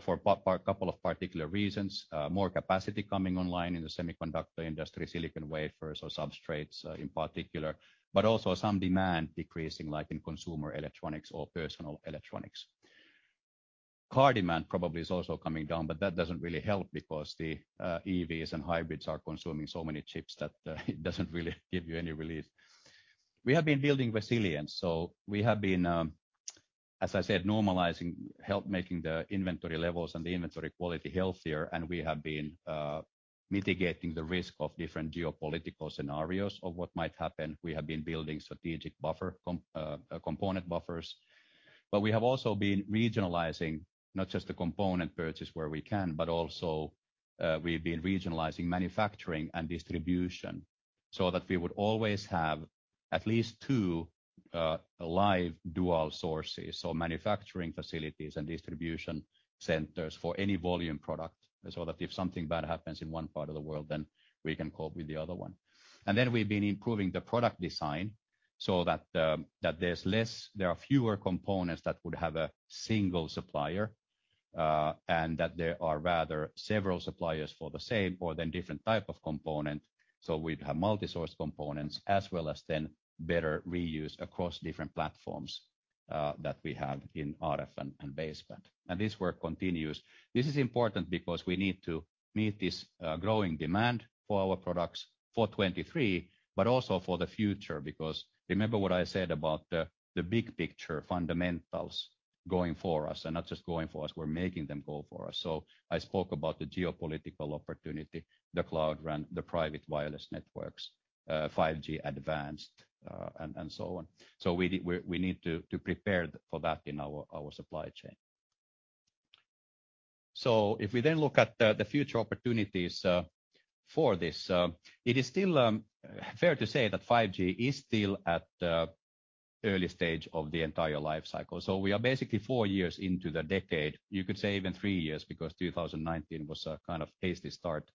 for a couple of particular reasons. More capacity coming online in the semiconductor industry, silicon wafers or substrates, in particular, but also some demand decreasing, like in consumer electronics or personal electronics. Car demand probably is also coming down, but that doesn't really help because the EVs and hybrids are consuming so many chips that it doesn't really give you any relief. We have been building resilience, so we have been, as I said, normalizing, help making the inventory levels and the inventory quality healthier, and we have been mitigating the risk of different geopolitical scenarios of what might happen. We have been building strategic buffer component buffers. We have also been regionalizing not just the component purchase where we can, but also, we've been regionalizing manufacturing and distribution so that we would always have at least two live dual sources. Manufacturing facilities and distribution centers for any volume product, so that if something bad happens in one part of the world, then we can cope with the other one. We've been improving the product design so that the, that there are fewer components that would have a single supplier, and that there are rather several suppliers for the same or then different type of component. We'd have multi-source components as well as then better reuse across different platforms that we have in RF and baseband. This work continues. This is important because we need to meet this growing demand for our products for 2023, but also for the future because remember what I said about the big picture fundamentals going for us. Not just going for us, we're making them go for us. I spoke about the geopolitical opportunity, the Cloud RAN, the private wireless networks, 5G-Advanced, and so on. We need to prepare for that in our supply chain. If we then look at the future opportunities for this, it is still fair to say that 5G is still at the early stage of the entire life cycle. We are basically four years into the decade. You could say even three years because 2019 was a kind of hasty start.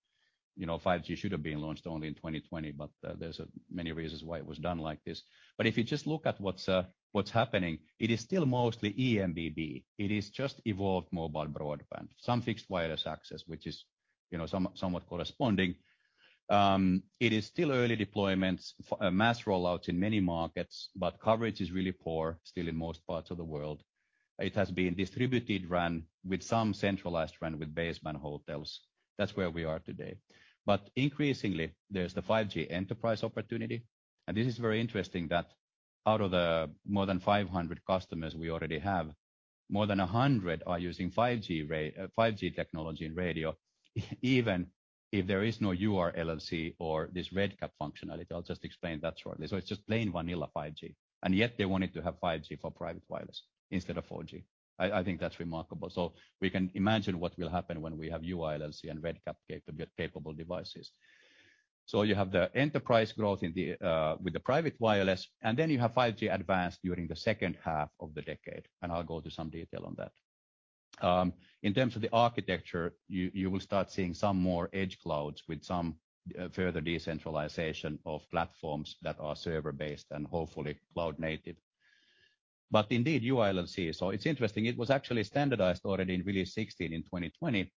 You know, 5G should have been launched only in 2020. There's many reasons why it was done like this. If you just look at what's happening, it is still mostly eMBB. It is just evolved mobile broadband. Some fixed wireless access, which is, you know, somewhat corresponding. It is still early deployments, mass rollouts in many markets, but coverage is really poor still in most parts of the world. It has been distributed RAN with some centralized RAN with baseband hotels. That's where we are today. Increasingly, there's the 5G enterprise opportunity. This is very interesting that out of the more than 500 customers we already have, more than 100 are using 5G technology and radio, even if there is no URLLC or this RedCap functionality. I'll just explain that shortly. It's just plain vanilla 5G, and yet they wanted to have 5G for private wireless instead of 4G. I think that's remarkable. We can imagine what will happen when we have URLLC and RedCap capable devices. You have the enterprise growth in the with the private wireless, and then you have 5G-Advanced during the second half of the decade. I'll go to some detail on that. In terms of the architecture, you will start seeing some more edge clouds with some further decentralization of platforms that are server-based and hopefully cloud native. Indeed, URLLC. It's interesting. It was actually standardized already in Release 16 in 2020,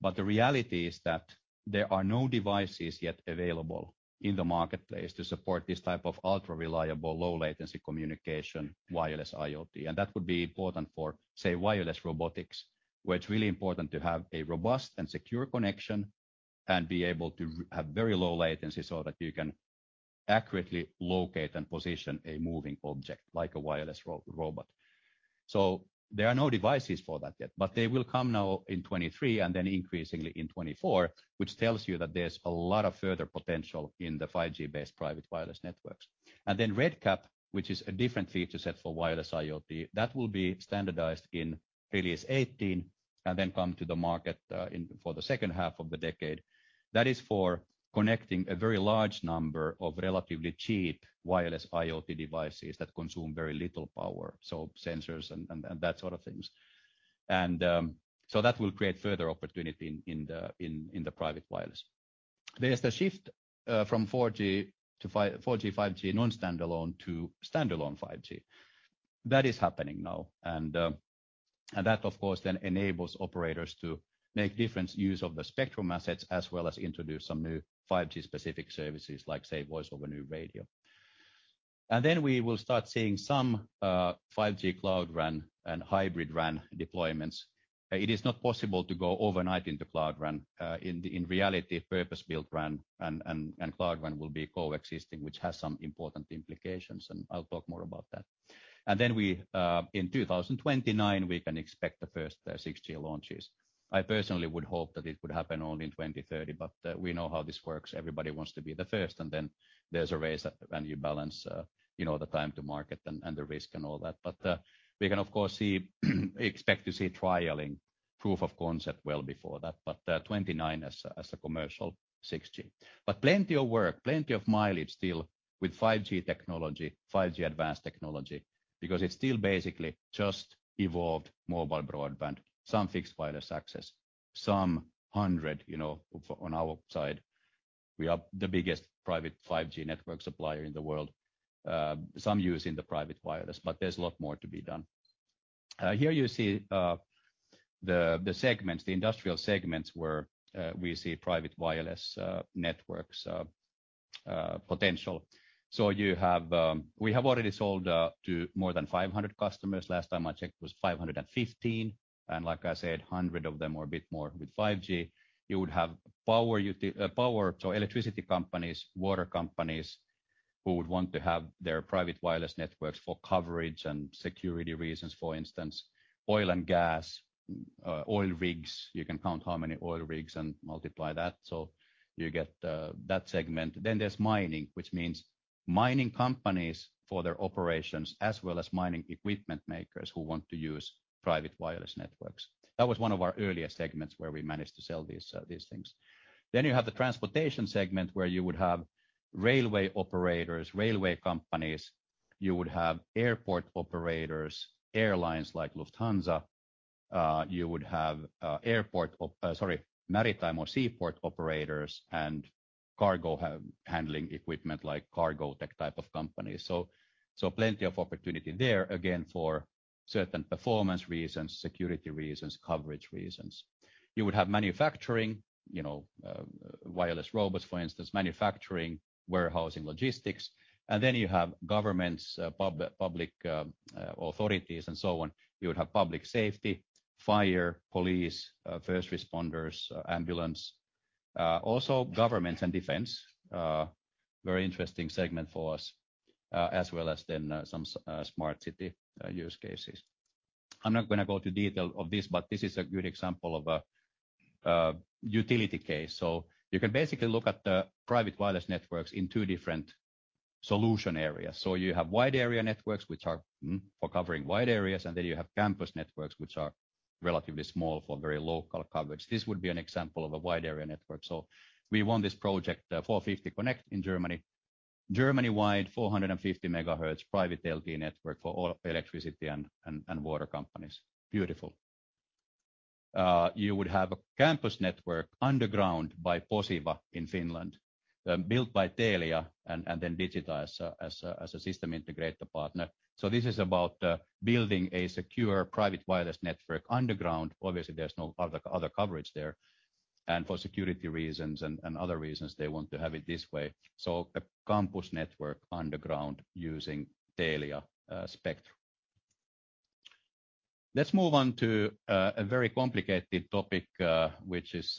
but the reality is that there are no devices yet available in the marketplace to support this type of ultra-reliable, low-latency communication wireless IoT. That would be important for, say, wireless robotics, where it's really important to have a robust and secure connection and be able to have very low latency so that you can accurately locate and position a moving object like a wireless robot. There are no devices for that yet, but they will come now in 2023 and then increasingly in 2024, which tells you that there's a lot of further potential in the 5G-based private wireless networks. RedCap, which is a different feature set for wireless IoT, that will be standardized in Release 18 and then come to the market for the second half of the decade. That is for connecting a very large number of relatively cheap wireless IoT devices that consume very little power, so sensors and that sort of things. That will create further opportunity in the private wireless. There's the shift from 4G to 4G, 5G Standalone to Standalone 5G. That is happening now. That of course then enables operators to make different use of the spectrum assets as well as introduce some new 5G-specific services like say, Voice over New Radio. We will start seeing some 5G Cloud RAN and hybrid RAN deployments. It is not possible to go overnight into Cloud RAN. In reality, purpose-built RAN and Cloud RAN will be coexisting, which has some important implications, and I'll talk more about that. We in 2029, we can expect the first 6G launches. I personally would hope that it would happen only in 2030. We know how this works. Everybody wants to be the first, then there's a race, and you balance, you know, the time to market and the risk and all that. We can of course expect to see trialing proof of concept well before that, 2029 as a commercial 6G. Plenty of work, plenty of mileage still with 5G technology, 5G-Advanced technology, because it's still basically just evolved mobile broadband, some fixed wireless access, some 100, you know, on our side. We are the biggest private 5G network supplier in the world. Some use in the private wireless, there's a lot more to be done. Here you see, the segments, the industrial segments where we see private wireless networks potential. You have, we have already sold to more than 500 customers. Last time I checked was 515, and like I said, 100 of them or a bit more with 5G. You would have power, so electricity companies, water companies who would want to have their private wireless networks for coverage and security reasons, for instance. Oil and gas, oil rigs. You can count how many oil rigs and multiply that, so you get that segment. There's mining, which means mining companies for their operations, as well as mining equipment makers who want to use private wireless networks. That was one of our earliest segments where we managed to sell these things. You have the transportation segment, where you would have railway operators, railway companies. You would have airport operators, airlines like Lufthansa. You would have airport operators, sorry, maritime or seaport operators and cargo handling equipment like Cargotec type of companies. Plenty of opportunity there, again, for certain performance reasons, security reasons, coverage reasons. You would have manufacturing, you know, wireless robots, for instance, manufacturing, warehousing, logistics. You have governments, public authorities and so on. You would have public safety, fire, police, first responders, ambulance. Also government and defense, very interesting segment for us, as well as then, some smart city use cases. I'm not gonna go to detail of this, but this is a good example of a utility case. You can basically look at the private wireless networks in two different solution areas. You have wide area networks, which are for covering wide areas, and then you have campus networks, which are relatively small for very local coverage. This would be an example of a wide area network. We won this project, 450connect in Germany. Germany-wide 450 megahertz private LTE network for all electricity and water companies. Beautiful. You would have a campus network underground by Posiva in Finland, built by Telia and then Digita as a system integrator partner. This is about building a secure private wireless network underground. Obviously, there's no other coverage there. For security reasons and other reasons, they want to have it this way. A campus network underground using Telia spectrum. Let's move on to a very complicated topic, which is,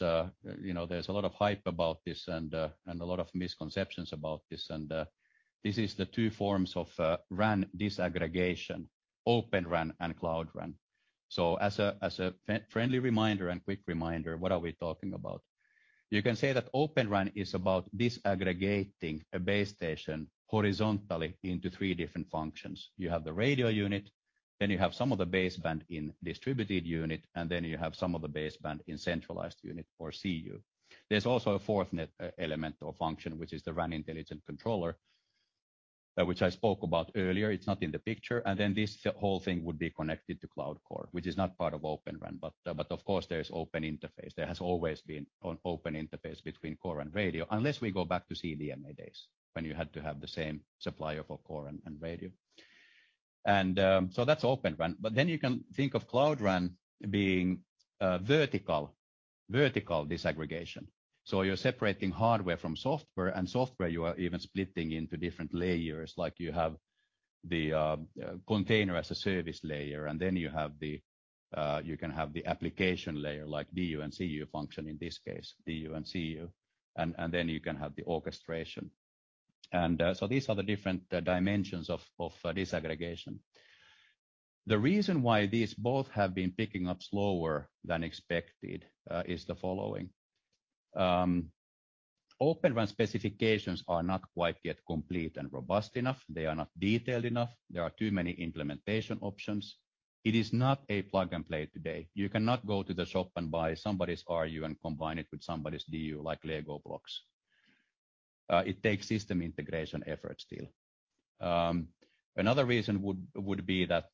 you know, there's a lot of hype about this and a lot of misconceptions about this. This is the two forms of RAN disaggregation, Open RAN and Cloud RAN. As a friendly reminder and quick reminder, what are we talking about? You can say that Open RAN is about disaggregating a base station horizontally into three different functions. You have the radio unit, then you have some of the base band in distributed unit, and then you have some of the base band in centralized unit or CU. There's also a fourth element or function, which is the RAN Intelligent Controller, which I spoke about earlier. It's not in the picture. This whole thing would be connected to cloud core, which is not part of Open RAN. Of course there is open interface. There has always been an open interface between core and radio, unless we go back to CDMA days when you had to have the same supplier for core and radio. That's Open RAN. You can think of Cloud RAN being vertical disaggregation. You're separating hardware from software, and software you are even splitting into different layers. Like you have the container as a service layer, and then you have the you can have the application layer like DU and CU function in this case, DU and CU. Then you can have the orchestration. These are the different dimensions of disaggregation. The reason why these both have been picking up slower than expected, is the following. Open RAN specifications are not quite yet complete and robust enough. They are not detailed enough. There are too many implementation options. It is not a plug-and-play today. You cannot go to the shop and buy somebody's RU and combine it with somebody's DU like Lego blocks. It takes system integration effort still. Another reason would be that,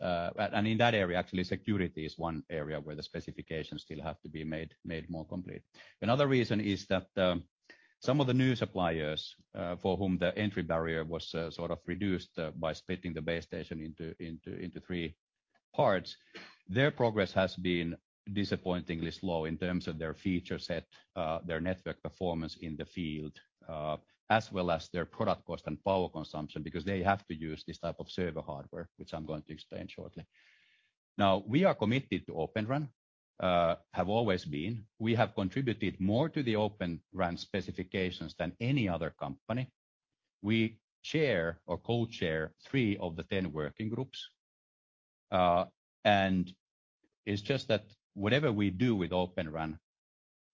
in that area, actually security is one area where the specifications still have to be made more complete. Another reason is that some of the new suppliers, for whom the entry barrier was sort of reduced, by splitting the base station into three parts, their progress has been disappointingly slow in terms of their feature set, their network performance in the field, as well as their product cost and power consumption, because they have to use this type of server hardware, which I'm going to explain shortly. Now we are committed to Open RAN, have always been. We have contributed more to the Open RAN specifications than any other company. We chair or co-chair three of the 10 working groups. It's just that whatever we do with Open RAN,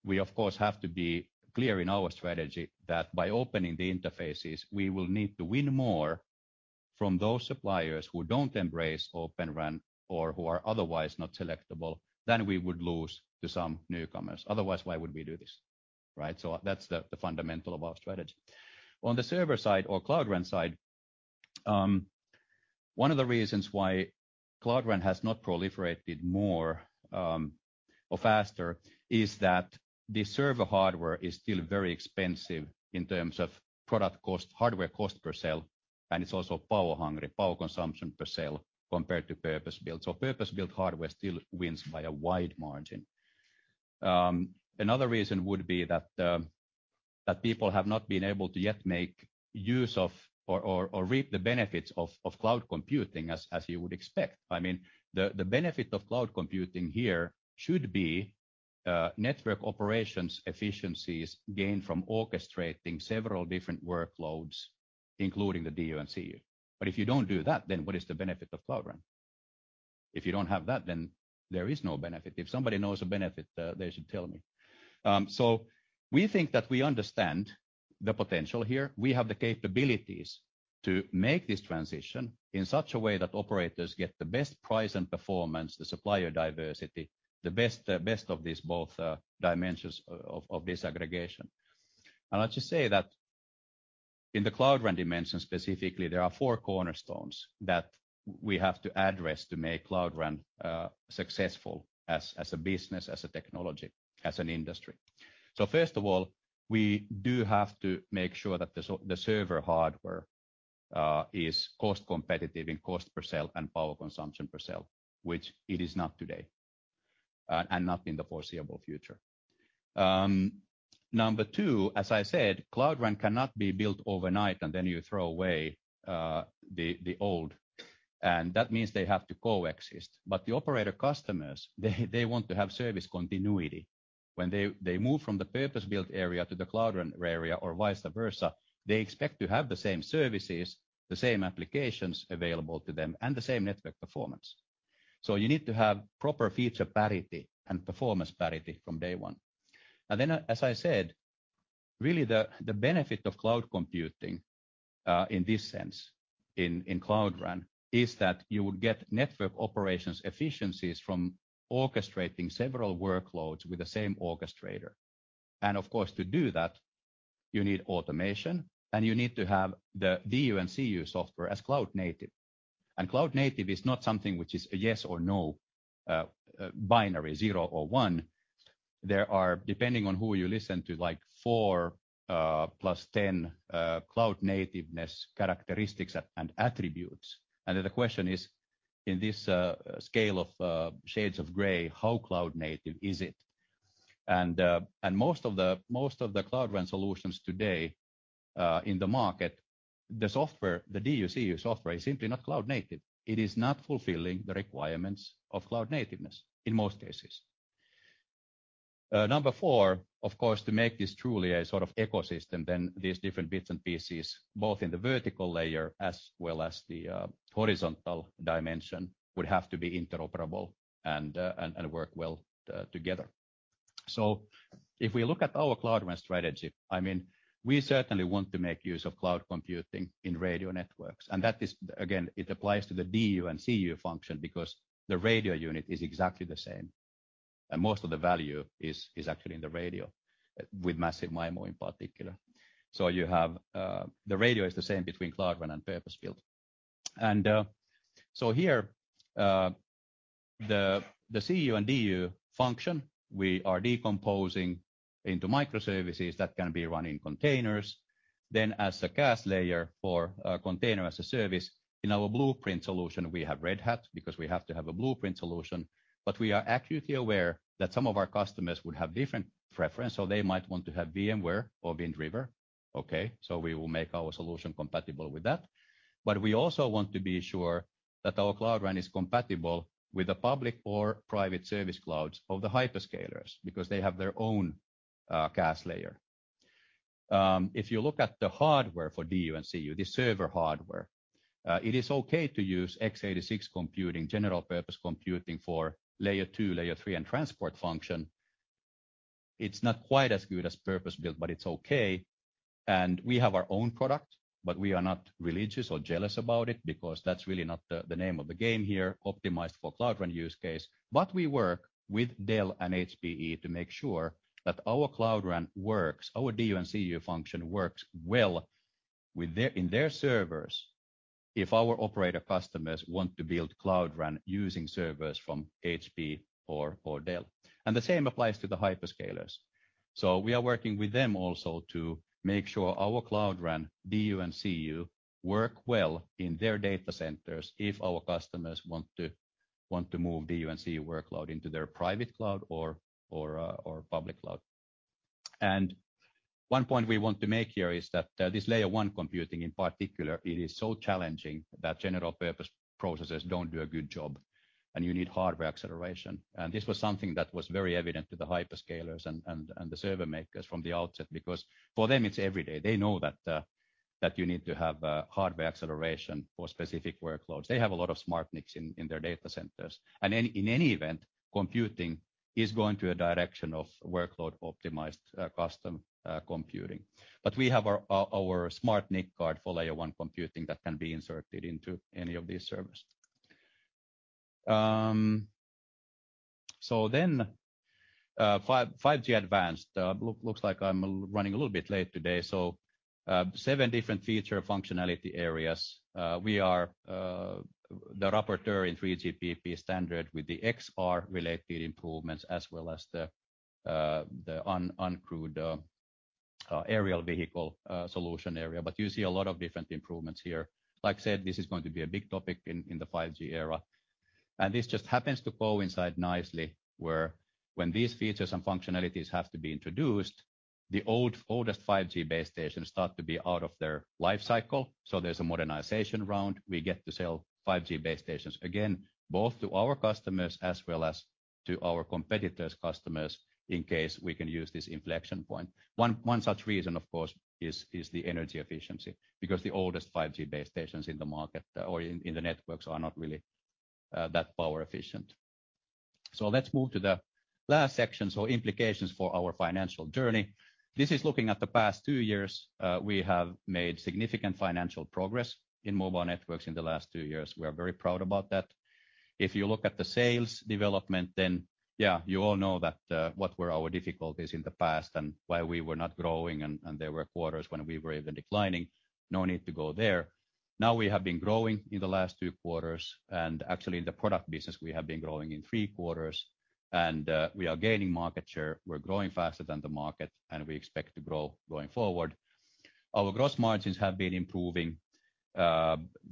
we of course, have to be clear in our strategy that by opening the interfaces, we will need to win more from those suppliers who don't embrace Open RAN or who are otherwise not selectable than we would lose to some newcomers. Otherwise, why would we do this, right? That's the fundamental of our strategy. On the server side or Cloud RAN side, one of the reasons why Cloud RAN has not proliferated more or faster is that the server hardware is still very expensive in terms of product cost, hardware cost per sale, and it's also power hungry, power consumption per sale, compared to purpose-built. Purpose-built hardware still wins by a wide margin. Another reason would be that people have not been able to yet make use of or reap the benefits of cloud computing as you would expect. I mean, the benefit of cloud computing here should be network operations efficiencies gained from orchestrating several different workloads, including the DU and CU. If you don't do that, then what is the benefit of Cloud RAN? If you don't have that, then there is no benefit. If somebody knows a benefit, they should tell me. We think that we understand the potential here. We have the capabilities to make this transition in such a way that operators get the best price and performance, the supplier diversity, the best of these both dimensions of disaggregation. I'll just say that in the Cloud RAN dimension specifically, there are four cornerstones that we have to address to make Cloud RAN successful as a business, as a technology, as an industry. First of all, we do have to make sure that the server hardware is cost competitive in cost per sale and power consumption per sale, which it is not today and not in the foreseeable future. Number two, as I said, Cloud RAN cannot be built overnight, and then you throw away the old, and that means they have to coexist. The operator customers, they want to have service continuity. When they move from the purpose-built area to the Cloud RAN area or vice versa, they expect to have the same services, the same applications available to them, and the same network performance. You need to have proper feature parity and performance parity from day one. As I said, really, the benefit of cloud computing, in this sense in Cloud RAN, is that you would get network operations efficiencies from orchestrating several workloads with the same orchestrator. Of course, to do that, you need automation, and you need to have the DU and CU software as cloud native. Cloud native is not something which is a yes or no, binary, 0 or 1. There are, depending on who you listen to, like 4 + 10 cloud nativeness characteristics and attributes. The question is, in this scale of shades of gray, how cloud native is it? Most of the Cloud RAN solutions today in the market, the software, the DU/CU software is simply not cloud native. It is not fulfilling the requirements of cloud nativeness in most cases. Number four, of course, to make this truly a sort of ecosystem, then these different bits and pieces, both in the vertical layer as well as the horizontal dimension, would have to be interoperable and work well together. If we look at our Cloud RAN strategy, I mean, we certainly want to make use of cloud computing in radio networks. That is, again, it applies to the DU and CU function because the radio unit is exactly the same and most of the value is actually in the radio with Massive MIMO in particular. You have the radio is the same between Cloud RAN and purpose-built. Here the CU and DU function, we are decomposing into microservices that can be run in containers. As a CaaS layer for container as a service in our blueprint solution, we have Red Hat because we have to have a blueprint solution. We are acutely aware that some of our customers would have different preference, so they might want to have VMware or Wind River. Okay. We will make our solution compatible with that. We also want to be sure that our Cloud RAN is compatible with the public or private service clouds of the hyperscalers because they have their own CaaS layer. If you look at the hardware for DU and CU, the server hardware, it is okay to use x86 computing, general purpose computing for layer 2, layer 3, and transport function. It's not quite as good as purpose-built, but it's okay. We have our own product, but we are not religious or jealous about it because that's really not the name of the game here, optimized for Cloud RAN use case. We work with Dell and HPE to make sure that our Cloud RAN works, our DU and CU function works well in their servers if our operator customers want to build Cloud RAN using servers from HP or Dell. The same applies to the hyperscalers. We are working with them also to make sure our Cloud RAN, DU and CU work well in their data centers if our customers want to, want to move DU and CU workload into their private cloud or public cloud. One point we want to make here is that this layer one computing in particular, it is so challenging that general purpose processors don't do a good job, and you need hardware acceleration. This was something that was very evident to the hyperscalers and the server makers from the outset because for them it's every day. They know that you need to have hardware acceleration for specific workloads. They have a lot of SmartNICs in their data centers. In any event, computing is going to a direction of workload-optimized, custom, computing. We have our SmartNIC card for layer one computing that can be inserted into any of these servers. 5G-Advanced. Look, looks like I'm running a little bit late today. Seven different feature functionality areas. We are the rapporteur in 3GPP standard with the XR-related improvements as well as the uncrewed aerial vehicle solution area. You see a lot of different improvements here. Like I said, this is going to be a big topic in the 5G era. This just happens to coincide nicely where when these features and functionalities have to be introduced, the oldest 5G base stations start to be out of their life cycle. There's a modernization round. We get to sell 5G base stations again, both to our customers as well as to our competitors' customers, in case we can use this inflection point. One such reason, of course, is the energy efficiency because the oldest 5G base stations in the market or in the networks are not really that power efficient. Let's move to the last section. Implications for our financial journey. This is looking at the past two years. We have made significant financial progress in Mobile Networks in the last two years. We are very proud about that. If you look at the sales development, then yeah, you all know that what were our difficulties in the past and why we were not growing and there were quarters when we were even declining. No need to go there. We have been growing in the last two quarters and actually in the product business we have been growing in three quarters. We are gaining market share. We're growing faster than the market, and we expect to grow going forward. Our gross margins have been improving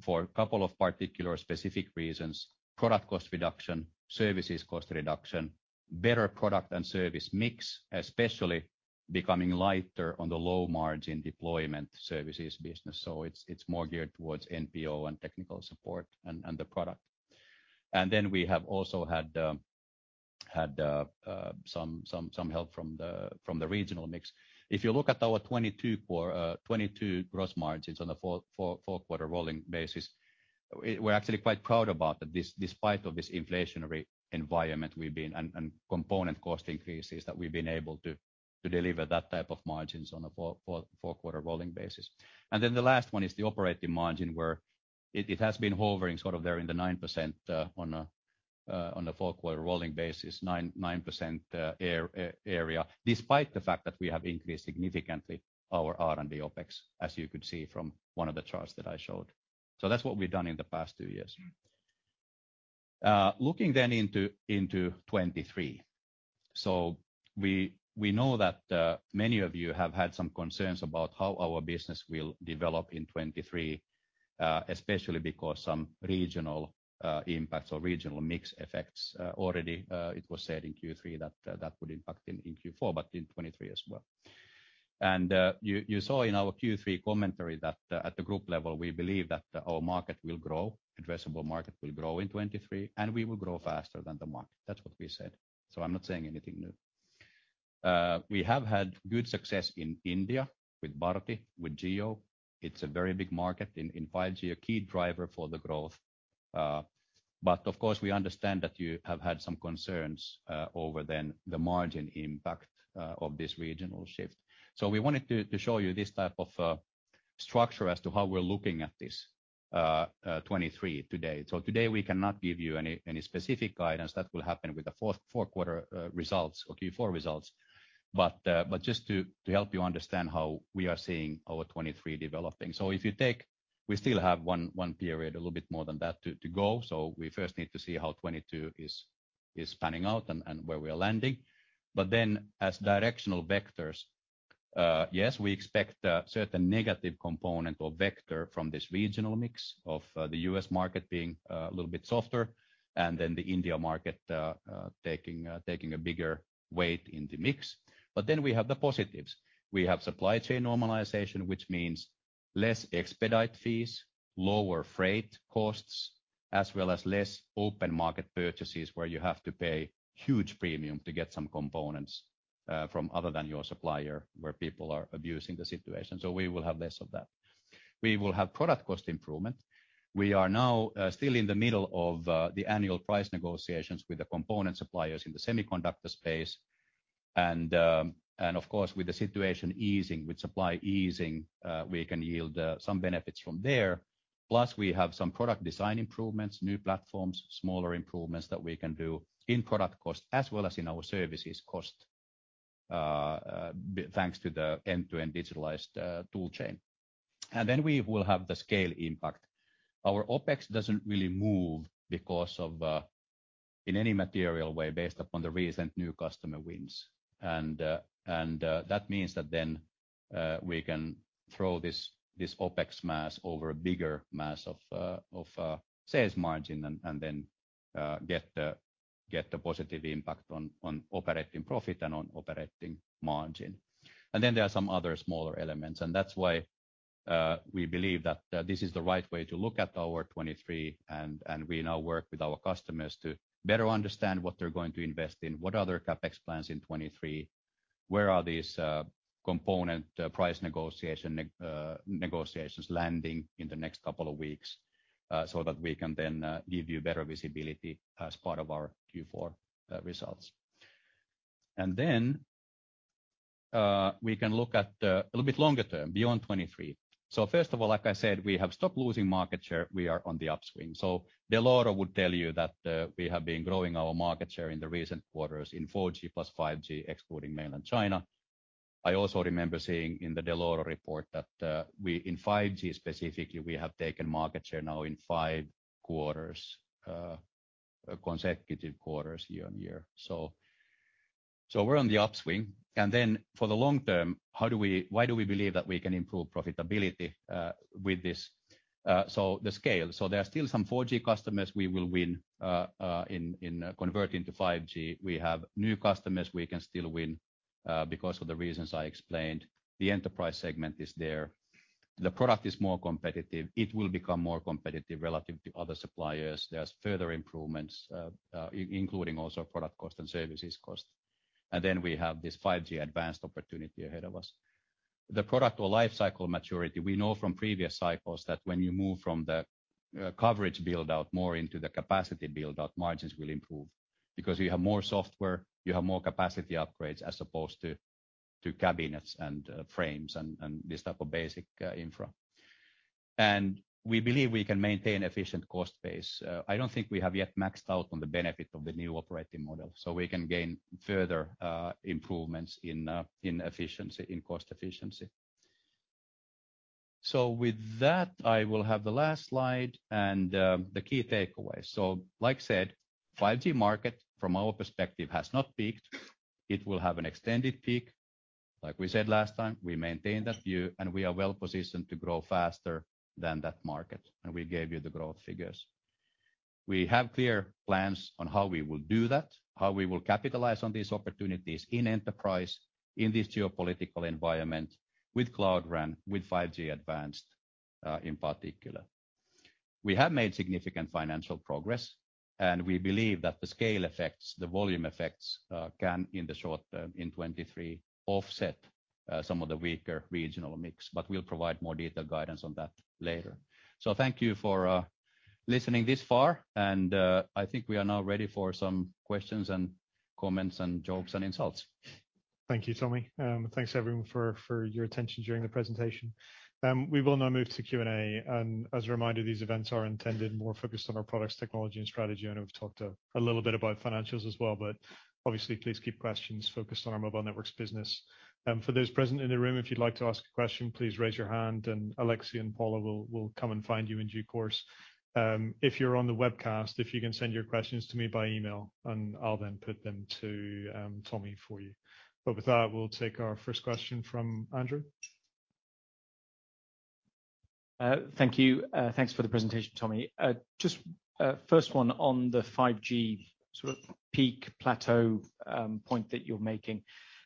for two particular specific reasons. Product cost reduction, services cost reduction, better product and service mix, especially becoming lighter on the low margin deployment services business. It's more geared towards NPO and technical support and the product. We have also had some help from the regional mix. If you look at our 22 core, 22 gross margins on a four-quarter rolling basis, we're actually quite proud about that this, despite of this inflationary environment we've been and component cost increases that we've been able to deliver that type of margins on a four-quarter rolling basis. The last one is the operating margin, where it has been hovering sort of there in the 9%, on a four-quarter rolling basis, 9% area, despite the fact that we have increased significantly our R&D OpEx, as you could see from one of the charts that I showed. That's what we've done in the past two years. Looking into 2023. We know that many of you have had some concerns about how our business will develop in 2023, especially because some regional impacts or regional mix effects already it was said in Q3 that that would impact in in Q4, but in 2023 as well. You saw in our Q3 commentary that at the group level, we believe that our market will grow, addressable market will grow in 2023, and we will grow faster than the market. That's what we said. I'm not saying anything new. We have had good success in India with Bharti, with Jio. It's a very big market in in 5G, a key driver for the growth. Of course, we understand that you have had some concerns over then the margin impact of this regional shift. We wanted to show you this type of structure as to how we're looking at this 2023 today. Today we cannot give you any specific guidance. That will happen with the fourth quarter results or Q4 results. Just to help you understand how we are seeing our 2023 developing. If you take. We still have one period, a little bit more than that, to go. We first need to see how 2022 is panning out and where we are landing. As directional vectors, yes, we expect a certain negative component or vector from this regional mix of the U.S. market being a little bit softer and then the India market taking a bigger weight in the mix. We have the positives. We have supply chain normalization, which means less expedite fees, lower freight costs, as well as less open market purchases, where you have to pay huge premium to get some components from other than your supplier, where people are abusing the situation. We will have less of that. We will have product cost improvement. We are now still in the middle of the annual price negotiations with the component suppliers in the semiconductor space. Of course, with the situation easing, with supply easing, we can yield some benefits from there. Plus, we have some product design improvements, new platforms, smaller improvements that we can do in product cost as well as in our services cost thanks to the end-to-end digitalized tool chain. We will have the scale impact. Our OpEx doesn't really move because of in any material way based upon the recent new customer wins. That means that then we can throw this OpEx mass over a bigger mass of sales margin and then get the positive impact on operating profit and on operating margin. Then there are some other smaller elements, and that's why we believe that this is the right way to look at our 2023. We now work with our customers to better understand what they're going to invest in, what are their CapEx plans in 2023, where are these component price negotiations landing in the next couple of weeks, so that we can then give you better visibility as part of our Q4 results. We can look at a little bit longer term beyond 2023. First of all, like I said, we have stopped losing market share. We are on the upswing. Dell'Oro would tell you that we have been growing our market share in the recent quarters in 4G plus 5G, excluding mainland China. I also remember seeing in the Dell'Oro report that in 5G specifically, we have taken market share now in five quarters, consecutive quarters year-on-year. We're on the upswing. For the long term, why do we believe that we can improve profitability with this? The scale. There are still some 4G customers we will win in converting to 5G. We have new customers we can still win because of the reasons I explained. The enterprise segment is there. The product is more competitive. It will become more competitive relative to other suppliers. There's further improvements, including also product cost and services cost. We have this 5G-Advanced opportunity ahead of us. The product or lifecycle maturity, we know from previous cycles that when you move from the coverage build-out more into the capacity build-out, margins will improve because you have more software, you have more capacity upgrades as opposed to cabinets and frames and this type of basic infra. We believe we can maintain efficient cost base. I don't think we have yet maxed out on the benefit of the new operating model, so we can gain further improvements in efficiency, in cost efficiency. With that, I will have the last slide and the key takeaways. Like I said, 5G market from our perspective has not peaked. It will have an extended peak. Like we said last time, we maintain that view, and we are well-positioned to grow faster than that market. We gave you the growth figures. We have clear plans on how we will do that, how we will capitalize on these opportunities in enterprise, in this geopolitical environment with Cloud RAN, with 5G-Advanced, in particular. We have made significant financial progress, and we believe that the scale effects, the volume effects, can, in the short term, in 2023, offset some of the weaker regional mix. We'll provide more detailed guidance on that later. Thank you for listening this far, and I think we are now ready for some questions and comments and jokes and insults. Thank you, Tommi. Thanks everyone for your attention during the presentation. We will now move to Q&A. As a reminder, these events are intended more focused on our products, technology, and strategy. I know we've talked a little bit about financials as well, but obviously, please keep questions focused on our Mobile Networks business. For those present in the room, if you'd like to ask a question, please raise your hand, and Alexi and Paula will come and find you in due course. If you're on the webcast, if you can send your questions to me by email, and I'll then put them to Tommi for you. With that, we'll take our first question from Andrew. Thank you. Thanks for the presentation, Tommi. Just, first one on the 5G sort of peak plateau, point that you're making.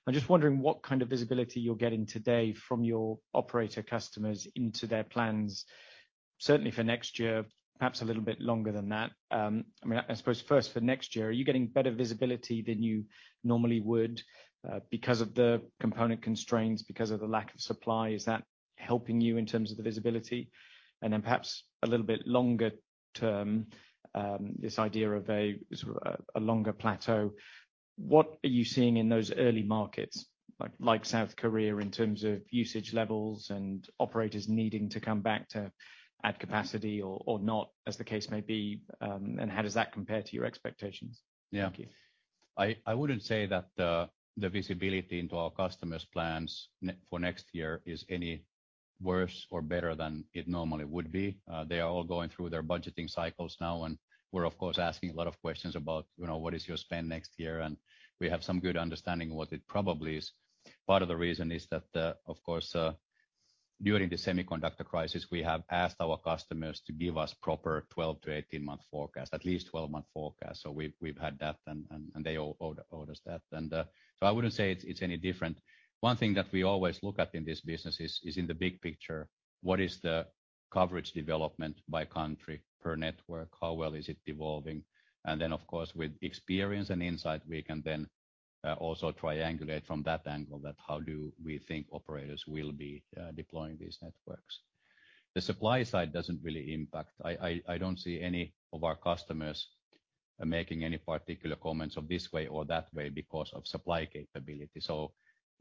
I'm just wondering what kind of visibility you're getting today from your operator customers into their plans, certainly for next year, perhaps a little bit longer than that. I mean, I suppose first for next year, are you getting better visibility than you normally would, because of the component constraints, because of the lack of supply? Is that helping you in terms of the visibility? Then perhaps a little bit longer term, this idea of a, sort of a longer plateau, what are you seeing in those early markets, like South Korea, in terms of usage levels and operators needing to come back to add capacity or not, as the case may be? How does that compare to your expectations? Yeah. Thank you. I wouldn't say that the visibility into our customers' plans for next year is any worse or better than it normally would be. They are all going through their budgeting cycles now, and we're of course asking a lot of questions about, you know, what is your spend next year, and we have some good understanding what it probably is. Part of the reason is that, of course, during the semiconductor crisis, we have asked our customers to give us proper 12-18 month forecast, at least 12-month forecast. We've had that, and they owe us that. I wouldn't say it's any different. One thing that we always look at in this business is in the big picture, what is the coverage development by country per network? How well is it evolving? Of course, with experience and insight, we can then also triangulate from that angle that how do we think operators will be deploying these networks. The supply side doesn't really impact. I don't see any of our customers making any particular comments of this way or that way because of supply capability.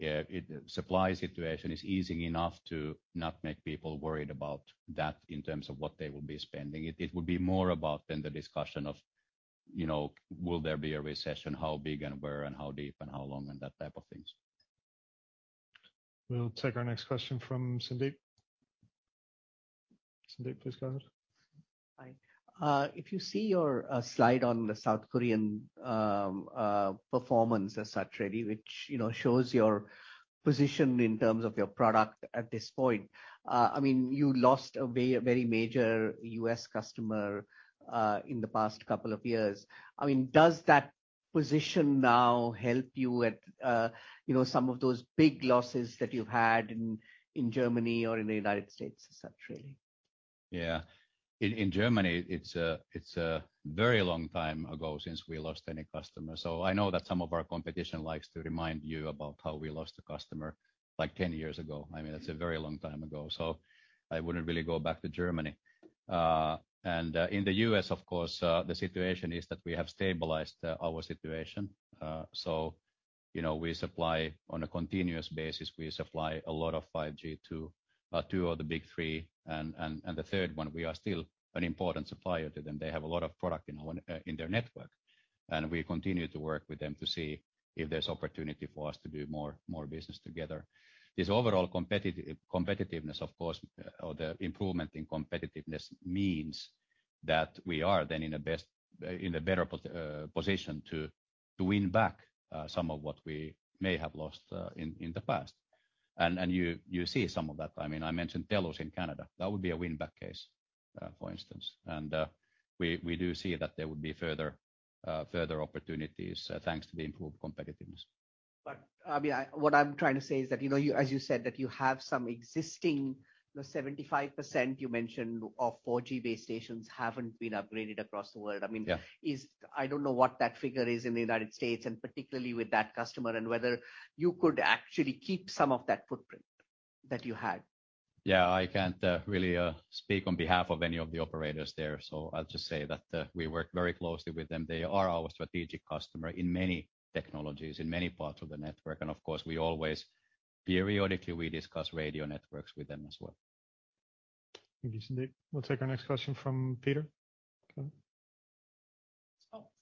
Yeah, supply situation is easing enough to not make people worried about that in terms of what they will be spending. It would be more about then the discussion of, you know, will there be a recession? How big and where and how deep and how long, and that type of things. We'll take our next question from Sandeep. Sandeep, please go ahead. Hi. If you see your slide on the South Korean performance as such, really, which, you know, shows your position in terms of your product at this point, I mean, you lost a very, very major U.S. customer, in the past couple of years. I mean, does that position now help you at, you know, some of those big losses that you've had in Germany or in the United States, et cetera? Yeah. In Germany it's a very long time ago since we lost any customer. I know that some of our competition likes to remind you about how we lost a customer like 10 years ago. I mean, that's a very long time ago, I wouldn't really go back to Germany. In the U.S., of course, the situation is that we have stabilized our situation. You know, we supply on a continuous basis. We supply a lot of 5G to two of the big three. The third one, we are still an important supplier to them. They have a lot of product in their network, we continue to work with them to see if there's opportunity for us to do more business together. This overall competitiveness of course, or the improvement in competitiveness means that we are then in a best, in a better position to win back some of what we may have lost in the past. You see some of that. I mean, I mentioned TELUS in Canada. That would be a win-back case, for instance. We do see that there would be further opportunities thanks to the improved competitiveness. I mean, what I'm trying to say is that, you know, you, as you said, that you have some existing, you know, 75% you mentioned of 4G base stations haven't been upgraded across the world. I mean. Yeah I don't know what that figure is in the United States and particularly with that customer, and whether you could actually keep some of that footprint that you had. Yeah. I can't really speak on behalf of any of the operators there, so I'll just say that we work very closely with them. They are our strategic customer in many technologies, in many parts of the network. Of course, we always periodically we discuss radio networks with them as well. Thank you, Sandeep. We'll take our next question from Peter. Go ahead.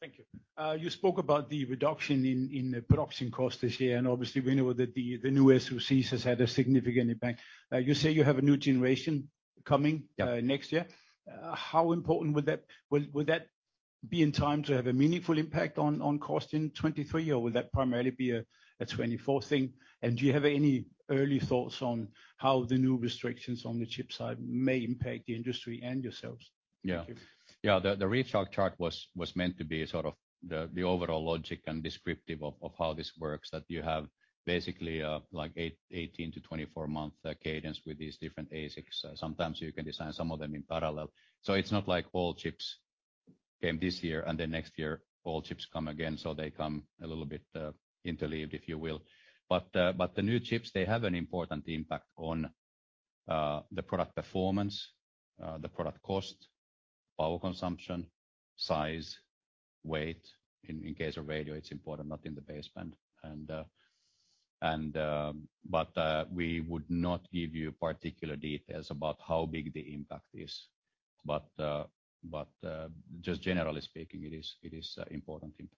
Thank you. You spoke about the reduction in production cost this year, and obviously we know that the new SoCs has had a significant impact. You say you have a new generation coming- Yeah next year. How important will that be in time to have a meaningful impact on cost in 2023, or will that primarily be a 2024 thing? Do you have any early thoughts on how the new restrictions on the chip side may impact the industry and yourselves? Yeah. Thank you. Yeah. The retail chart was meant to be sort of the overall logic and descriptive of how this works, that you have basically, like 18 to 24 month cadence with these different ASICs. Sometimes you can design some of them in parallel. It's not like all chips came this year and then next year all chips come again. They come a little bit interleaved, if you will. The new chips, they have an important impact on the product performance, the product cost, power consumption, size, weight. In case of radio, it's important not in the basement. We would not give you particular details about how big the impact is. Just generally speaking, it is a important impact.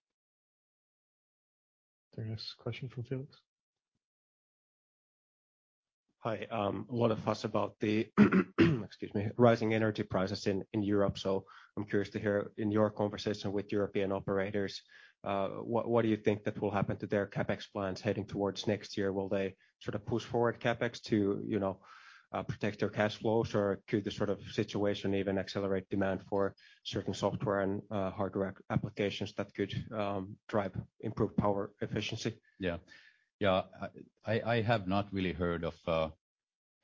The next question from Felix. Hi. A lot of fuss about the, excuse me, rising energy prices in Europe. I'm curious to hear, in your conversation with European operators, what do you think that will happen to their CapEx plans heading towards next year? Will they sort of push forward CapEx to, you know, protect their cash flows? Could the sort of situation even accelerate demand for certain software and hardware applications that could drive improved power efficiency? Yeah. Yeah, I have not really heard of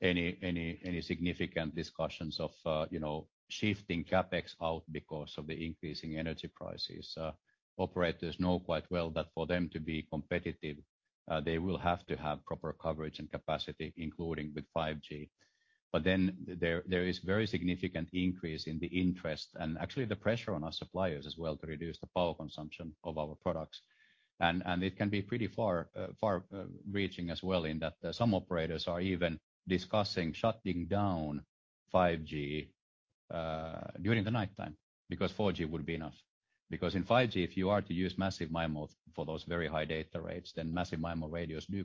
any significant discussions of, you know, shifting CapEx out because of the increasing energy prices. Operators know quite well that for them to be competitive, they will have to have proper coverage and capacity, including with 5G. There is very significant increase in the interest and actually the pressure on our suppliers as well to reduce the power consumption of our products. It can be pretty far-reaching as well in that some operators are even discussing shutting down 5G during the nighttime because 4G would be enough. In 5G, if you are to use Massive MIMO for those very high data rates, Massive MIMO radios do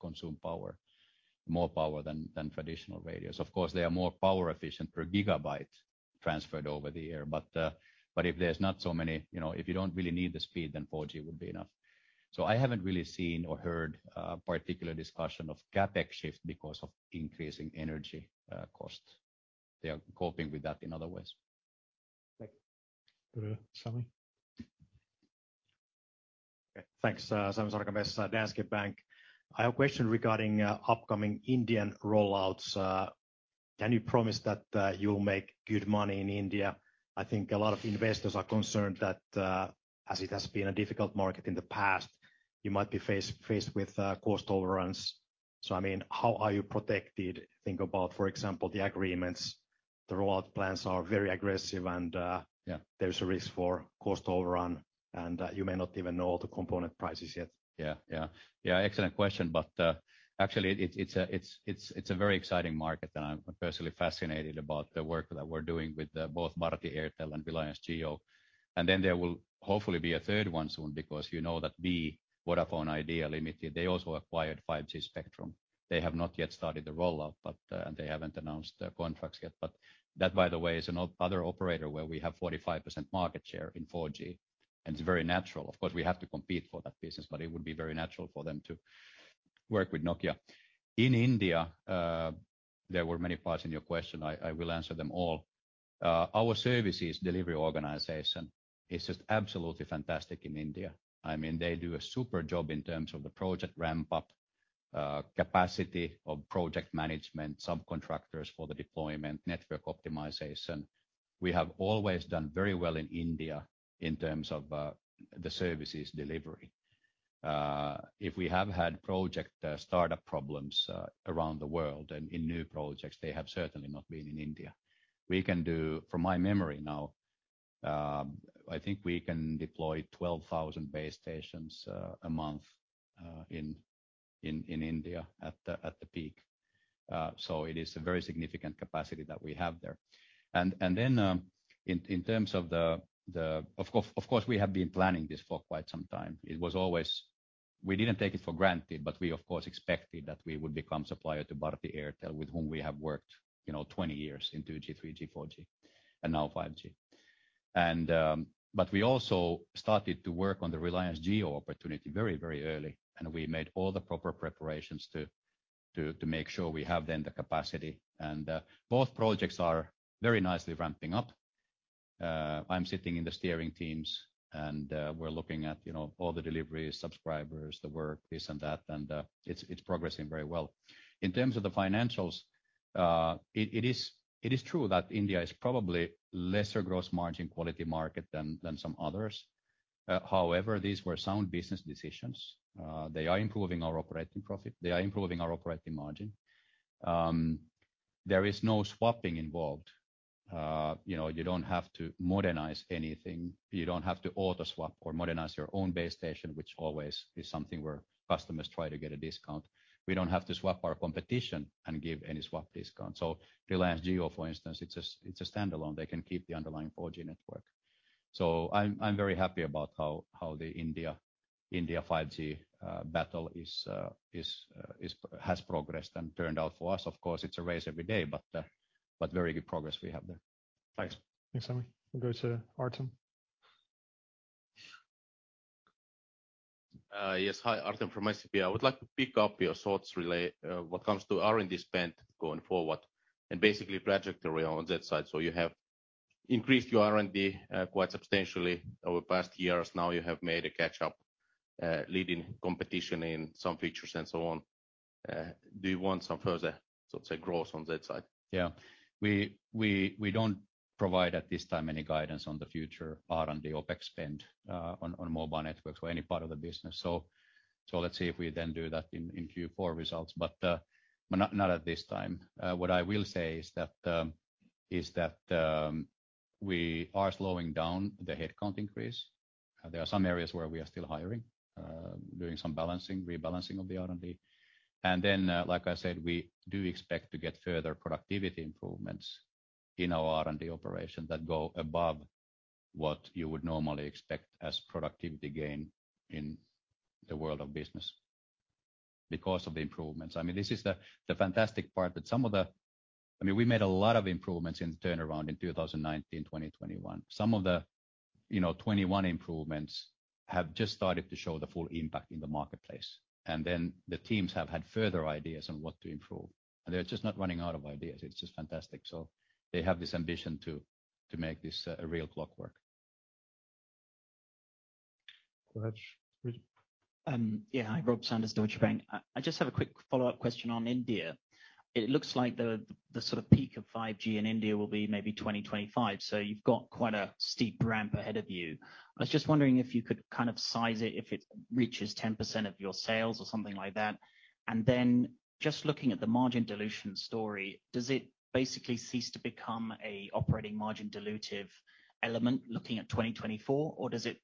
consume power, more power than traditional radios. Of course, they are more power efficient per gigabyte transferred over the air. If there's not so many, you know, if you don't really need the speed, then 4G would be enough. I haven't really seen or heard a particular discussion of CapEx shift because of increasing energy cost. They are coping with that in other ways. Thank you. Very good. Sami. Okay, thanks. Sami Sarkamies, Danske Bank. I have a question regarding upcoming Indian rollouts. Can you promise that you'll make good money in India? I think a lot of investors are concerned that as it has been a difficult market in the past, you might be faced with cost overruns. I mean, how are you protected? Think about, for example, the agreements. The rollout plans are very aggressive and. Yeah There's a risk for cost overrun, and, you may not even know all the component prices yet. Yeah, yeah. Yeah, excellent question. Actually it's a very exciting market and I'm personally fascinated about the work that we're doing with both Bharti Airtel and Reliance Jio. Then there will hopefully be a third one soon because you know that VI, Vodafone Idea Limited, they also acquired 5G spectrum. They have not yet started the rollout, but they haven't announced the contracts yet. That, by the way, is another operator where we have 45% market share in 4G. It's very natural. Of course, we have to compete for that business, but it would be very natural for them to work with Nokia. In India, there were many parts in your question. I will answer them all. Our services delivery organization is just absolutely fantastic in India. I mean, they do a super job in terms of the project ramp up, capacity of project management, subcontractors for the deployment, network optimization. We have always done very well in India in terms of the services delivery. If we have had project startup problems around the world and in new projects, they have certainly not been in India. From my memory now, I think we can deploy 12,000 base stations a month in India at the peak. So it is a very significant capacity that we have there. Then, in terms of the. Of course, we have been planning this for quite some time. It was always, we didn't take it for granted, but we of course, expected that we would become supplier to Bharti Airtel, with whom we have worked, you know, 20 years in 2G, 3G, 4G, and now 5G. But we also started to work on the Reliance Jio opportunity very, very early, and we made all the proper preparations to make sure we have then the capacity. Both projects are very nicely ramping up. I'm sitting in the steering teams, and we're looking at, you know, all the deliveries, subscribers, the work, this and that, and it's progressing very well. In terms of the financials, it is true that India is probably lesser gross margin quality market than some others. However, these were sound business decisions. They are improving our operating profit. They are improving our operating margin. There is no swapping involved. You know, you don't have to modernize anything. You don't have to auto swap or modernize your own base station, which always is something where customers try to get a discount. We don't have to swap our competition and give any swap discount. Reliance Jio, for instance, it's a standalone. They can keep the underlying 4G network. I'm very happy about how the India 5G battle is has progressed and turned out for us. Of course, it's a race every day, but very good progress we have there. Thanks. Thanks, Sami. We'll go to Artem. Yes. Hi, Artem from ICP. I would like to pick up your thoughts really, when it comes to R&D spend going forward and basically trajectory on that side. You have increased your R&D, quite substantially over past years. Now you have made a catch up, leading competition in some features and so on. Do you want some further, so to say, growth on that side? Yeah. We don't provide at this time any guidance on the future R&D OpEx spend on Mobile Networks or any part of the business. Let's see if we then do that in Q4 results. Not at this time. What I will say is that we are slowing down the headcount increase. There are some areas where we are still hiring, doing some balancing, rebalancing of the R&D. Then, like I said, we do expect to get further productivity improvements in our R&D operation that go above what you would normally expect as productivity gain in the world of business because of the improvements. I mean, this is the fantastic part that some of the. I mean, we made a lot of improvements in the turnaround in 2019, 2021. Some of the, you know, 2021 improvements have just started to show the full impact in the marketplace. The teams have had further ideas on what to improve. They're just not running out of ideas. It's just fantastic. They have this ambition to make this a real clockwork. Go ahead, please. Yeah. Hi, Robert Sanders, Deutsche Bank. I just have a quick follow-up question on India. It looks like the sort of peak of 5G in India will be maybe 2025, so you've got quite a steep ramp ahead of you. I was just wondering if you could kind of size it, if it reaches 10% of your sales or something like that. Just looking at the margin dilution story, does it basically cease to become a operating margin dilutive element looking at 2024, or does it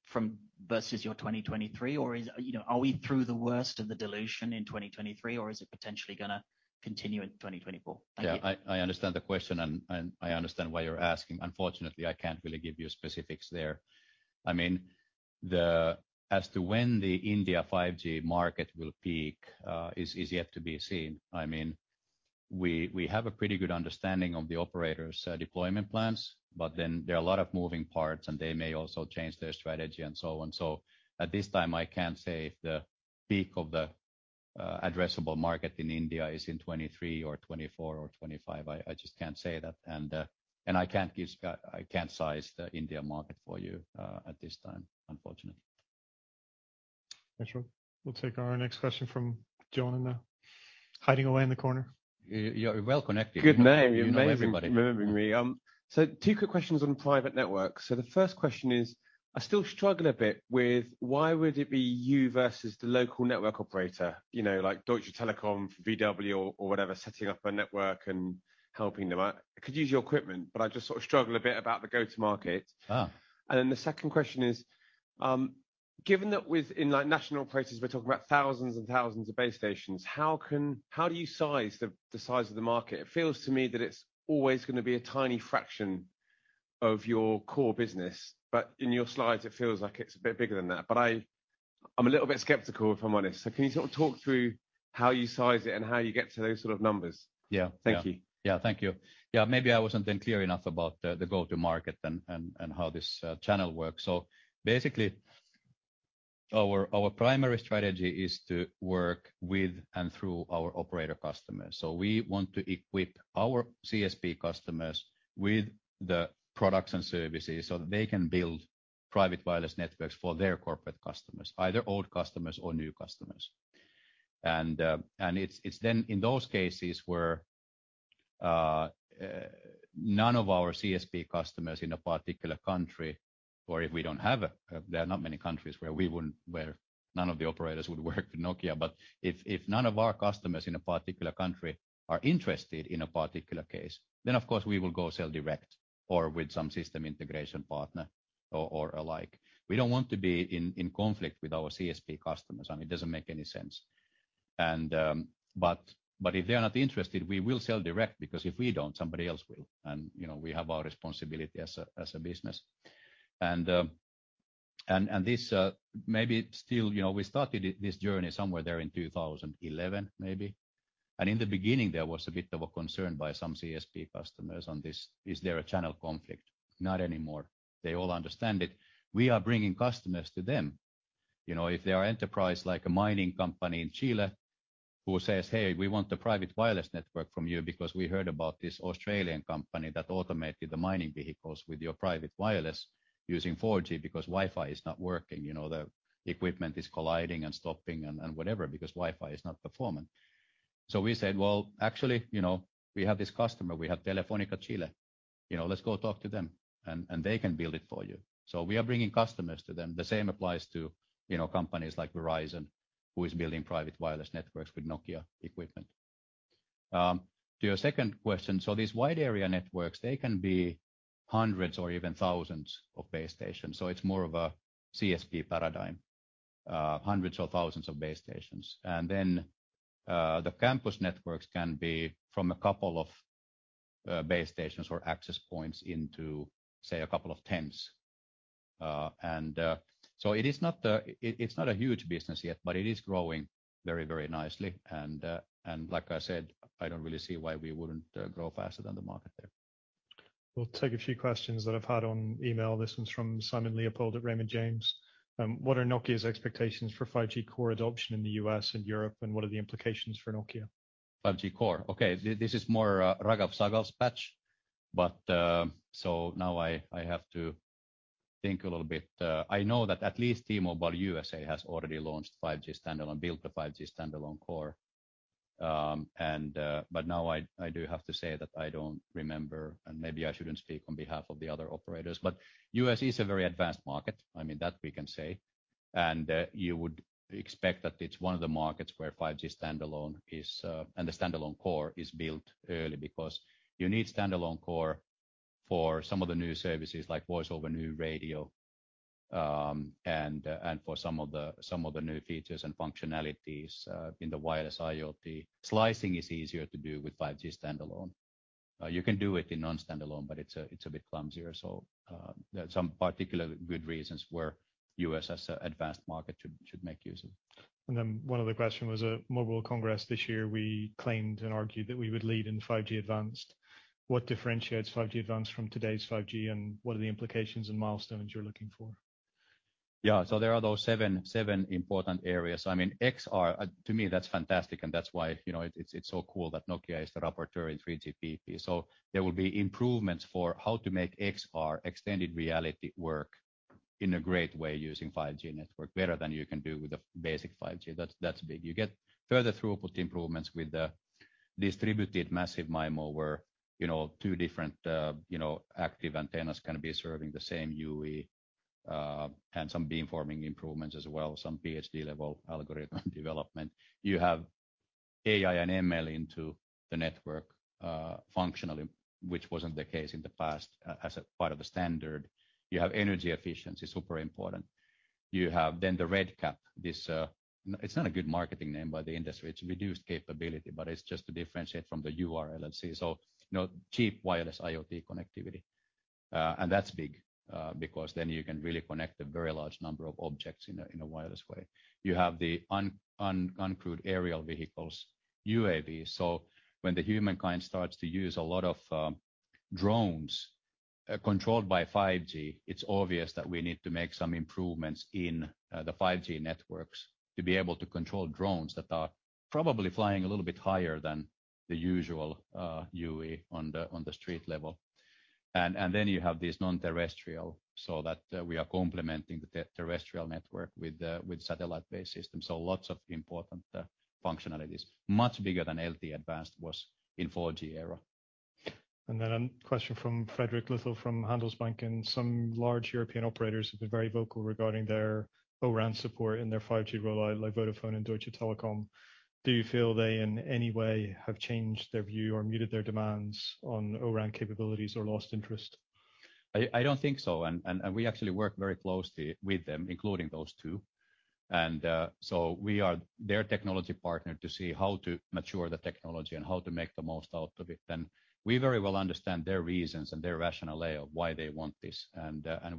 versus your 2023? Is, you know, are we through the worst of the dilution in 2023, or is it potentially gonna continue in 2024? Thank you. I understand the question and I understand why you're asking. Unfortunately, I can't really give you specifics there. I mean, as to when the India 5G market will peak, is yet to be seen. I mean, we have a pretty good understanding of the operators' deployment plans, but then there are a lot of moving parts, and they may also change their strategy and so on. At this time, I can't say if the peak of the addressable market in India is in 2023 or 2024 or 2025. I just can't say that. I can't size the India market for you, at this time, unfortunately. That's all. We'll take our next question from John hiding away in the corner. You're well-connected. Good man. You know everybody. Thanks for remembering me. Two quick questions on private networks. The first question is, I still struggle a bit with why would it be you versus the local network operator? You know, like Deutsche Telekom for Volkswagen or whatever, setting up a network and helping them out. It could use your equipment, but I just sort of struggle a bit about the go-to-market. Oh. The second question is, given that with in like national operators, we're talking about thousands and thousands of base stations, how do you size the size of the market? It feels to me that it's always gonna be a tiny fraction of your core business. In your slides, it feels like it's a bit bigger than that. I'm a little bit skeptical, if I'm honest. Can you sort of talk through how you size it and how you get to those sort of numbers? Yeah. Thank you. Thank you. Maybe I wasn't then clear enough about the go-to-market and how this channel works. Basically, our primary strategy is to work with and through our operator customers. We want to equip our CSP customers with the products and services so that they can build private wireless networks for their corporate customers, either old customers or new customers. It's then in those cases where none of our CSP customers in a particular country or where none of the operators would work with Nokia. If none of our customers in a particular country are interested in a particular case, then of course we will go sell direct or with some system integration partner or alike. We don't want to be in conflict with our CSP customers. I mean, it doesn't make any sense. But if they are not interested, we will sell direct because if we don't, somebody else will. You know, we have our responsibility as a business. And this, maybe still, you know, we started this journey somewhere there in 2011, maybe. In the beginning there was a bit of a concern by some CSP customers on this, is there a channel conflict? Not anymore. They all understand it. We are bringing customers to them. You know, if there are enterprise like a mining company in Chile who says, "Hey, we want the private wireless network from you because we heard about this Australian company that automated the mining vehicles with your private wireless using 4G because Wi-Fi is not working. You know, the equipment is colliding and stopping and whatever because Wi-Fi is not performing." We said, "Well, actually, you know, we have this customer, we have Telefónica Chile. You know, let's go talk to them and they can build it for you." We are bringing customers to them. The same applies to, you know, companies like Verizon, who is building private wireless networks with Nokia equipment. To your second question. These wide area networks, they can be hundreds or even thousands of base stations, so it's more of a CSP paradigm. Uh, hundreds or thousands of base stations. And then, uh, the campus networks can be from a couple of, uh, base stations or access points into, say, a couple of tens. Uh, and, uh, so it is not the-- it, it's not a huge business yet, but it is growing very, very nicely. And, uh, and like I said, I don't really see why we wouldn't, uh, grow faster than the market there. We'll take a few questions that I've had on email. This one's from Simon Leopold at Raymond James. What are Nokia's expectations for 5G core adoption in the U.S. and Europe, and what are the implications for Nokia? 5G core. Okay. This is more Raghav Sahgal's patch. Now I have to think a little bit. I know that at least T-Mobile USA has already launched 5G Standalone, built the 5G Standalone core. Now I do have to say that I don't remember, and maybe I shouldn't speak on behalf of the other operators. U.S. is a very advanced market. I mean, that we can say. You would expect that it's one of the markets where 5G Standalone is, and the Standalone core is built early because you need Standalone core for some of the new services like Voice over New Radio, and for some of the new features and functionalities in the wireless IoT. Slicing is easier to do with 5G Standalone. You can do it in non-standalone, it's a bit clumsier. There are some particular good reasons where U.S. as an advanced market should make use of. One other question was at Mobile Congress this year, we claimed and argued that we would lead in 5G-Advanced. What differentiates 5G-Advanced from today's 5G, and what are the implications and milestones you're looking for? Yeah. There are those seven important areas. I mean, XR, to me, that's fantastic and that's why, you know, it's so cool that Nokia is the rapporteur in 3GPP. There will be improvements for how to make XR extended reality work in a great way using 5G network better than you can do with the basic 5G. That's big. You get further throughput improvements with the Distributed Massive MIMO where, you know, two different, you know, active antennas can be serving the same UE, and some beamforming improvements as well, some PhD level algorithm development. You have AI and ML into the network, functionally, which wasn't the case in the past as a part of a standard. You have energy efficiency, super important. You have then the RedCap, this. It's not a good marketing name by the industry. It's reduced capability, but it's just to differentiate from the URLLC. You know, cheap wireless IoT connectivity. That's big because then you can really connect a very large number of objects in a wireless way. You have the uncrewed aerial vehicles, UAV. When the humankind starts to use a lot of drones controlled by 5G, it's obvious that we need to make some improvements in the 5G networks to be able to control drones that are probably flying a little bit higher than the usual UE on the street level. Then you have this non-terrestrial, so that we are complementing the terrestrial network with satellite-based systems. Lots of important functionalities. Much bigger than LTE Advanced was in 4G era. A question from Fredrik Lithell from Handelsbanken. Some large European operators have been very vocal regarding their O-RAN support and their 5G rollout, like Vodafone and Deutsche Telekom. Do you feel they in any way have changed their view or muted their demands on O-RAN capabilities or lost interest? I don't think so. We actually work very closely with them, including those two. So we are their technology partner to see how to mature the technology and how to make the most out of it. We very well understand their reasons and their rationale of why they want this.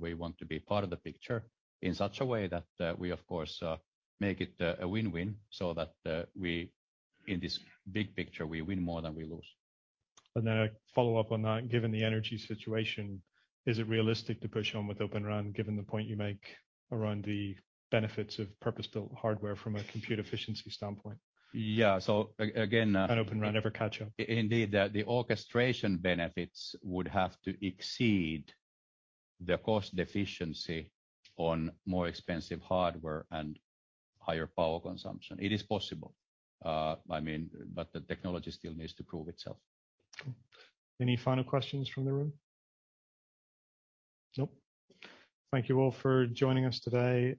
We want to be part of the picture in such a way that we of course make it a win-win so that we in this big picture, we win more than we lose. A follow-up on that. Given the energy situation, is it realistic to push on with Open RAN, given the point you make around the benefits of purpose-built hardware from a compute efficiency standpoint? Yeah. Again. Can Open RAN ever catch up? Indeed. The orchestration benefits would have to exceed the cost deficiency on more expensive hardware and higher power consumption. It is possible, I mean, but the technology still needs to prove itself. Cool. Any final questions from the room? Nope. Thank you all for joining us today.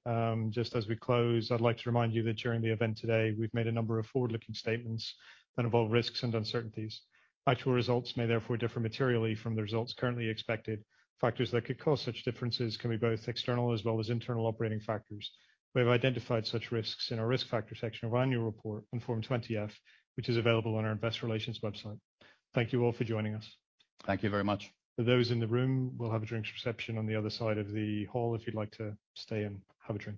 Just as we close, I'd like to remind you that during the event today, we've made a number of forward-looking statements that involve risks and uncertainties. Actual results may therefore differ materially from the results currently expected. Factors that could cause such differences can be both external as well as internal operating factors. We have identified such risks in our risk factor section of our annual report on Form 20-F, which is available on our investor relations website. Thank you all for joining us. Thank you very much. For those in the room, we'll have a drinks reception on the other side of the hall, if you'd like to stay and have a drink.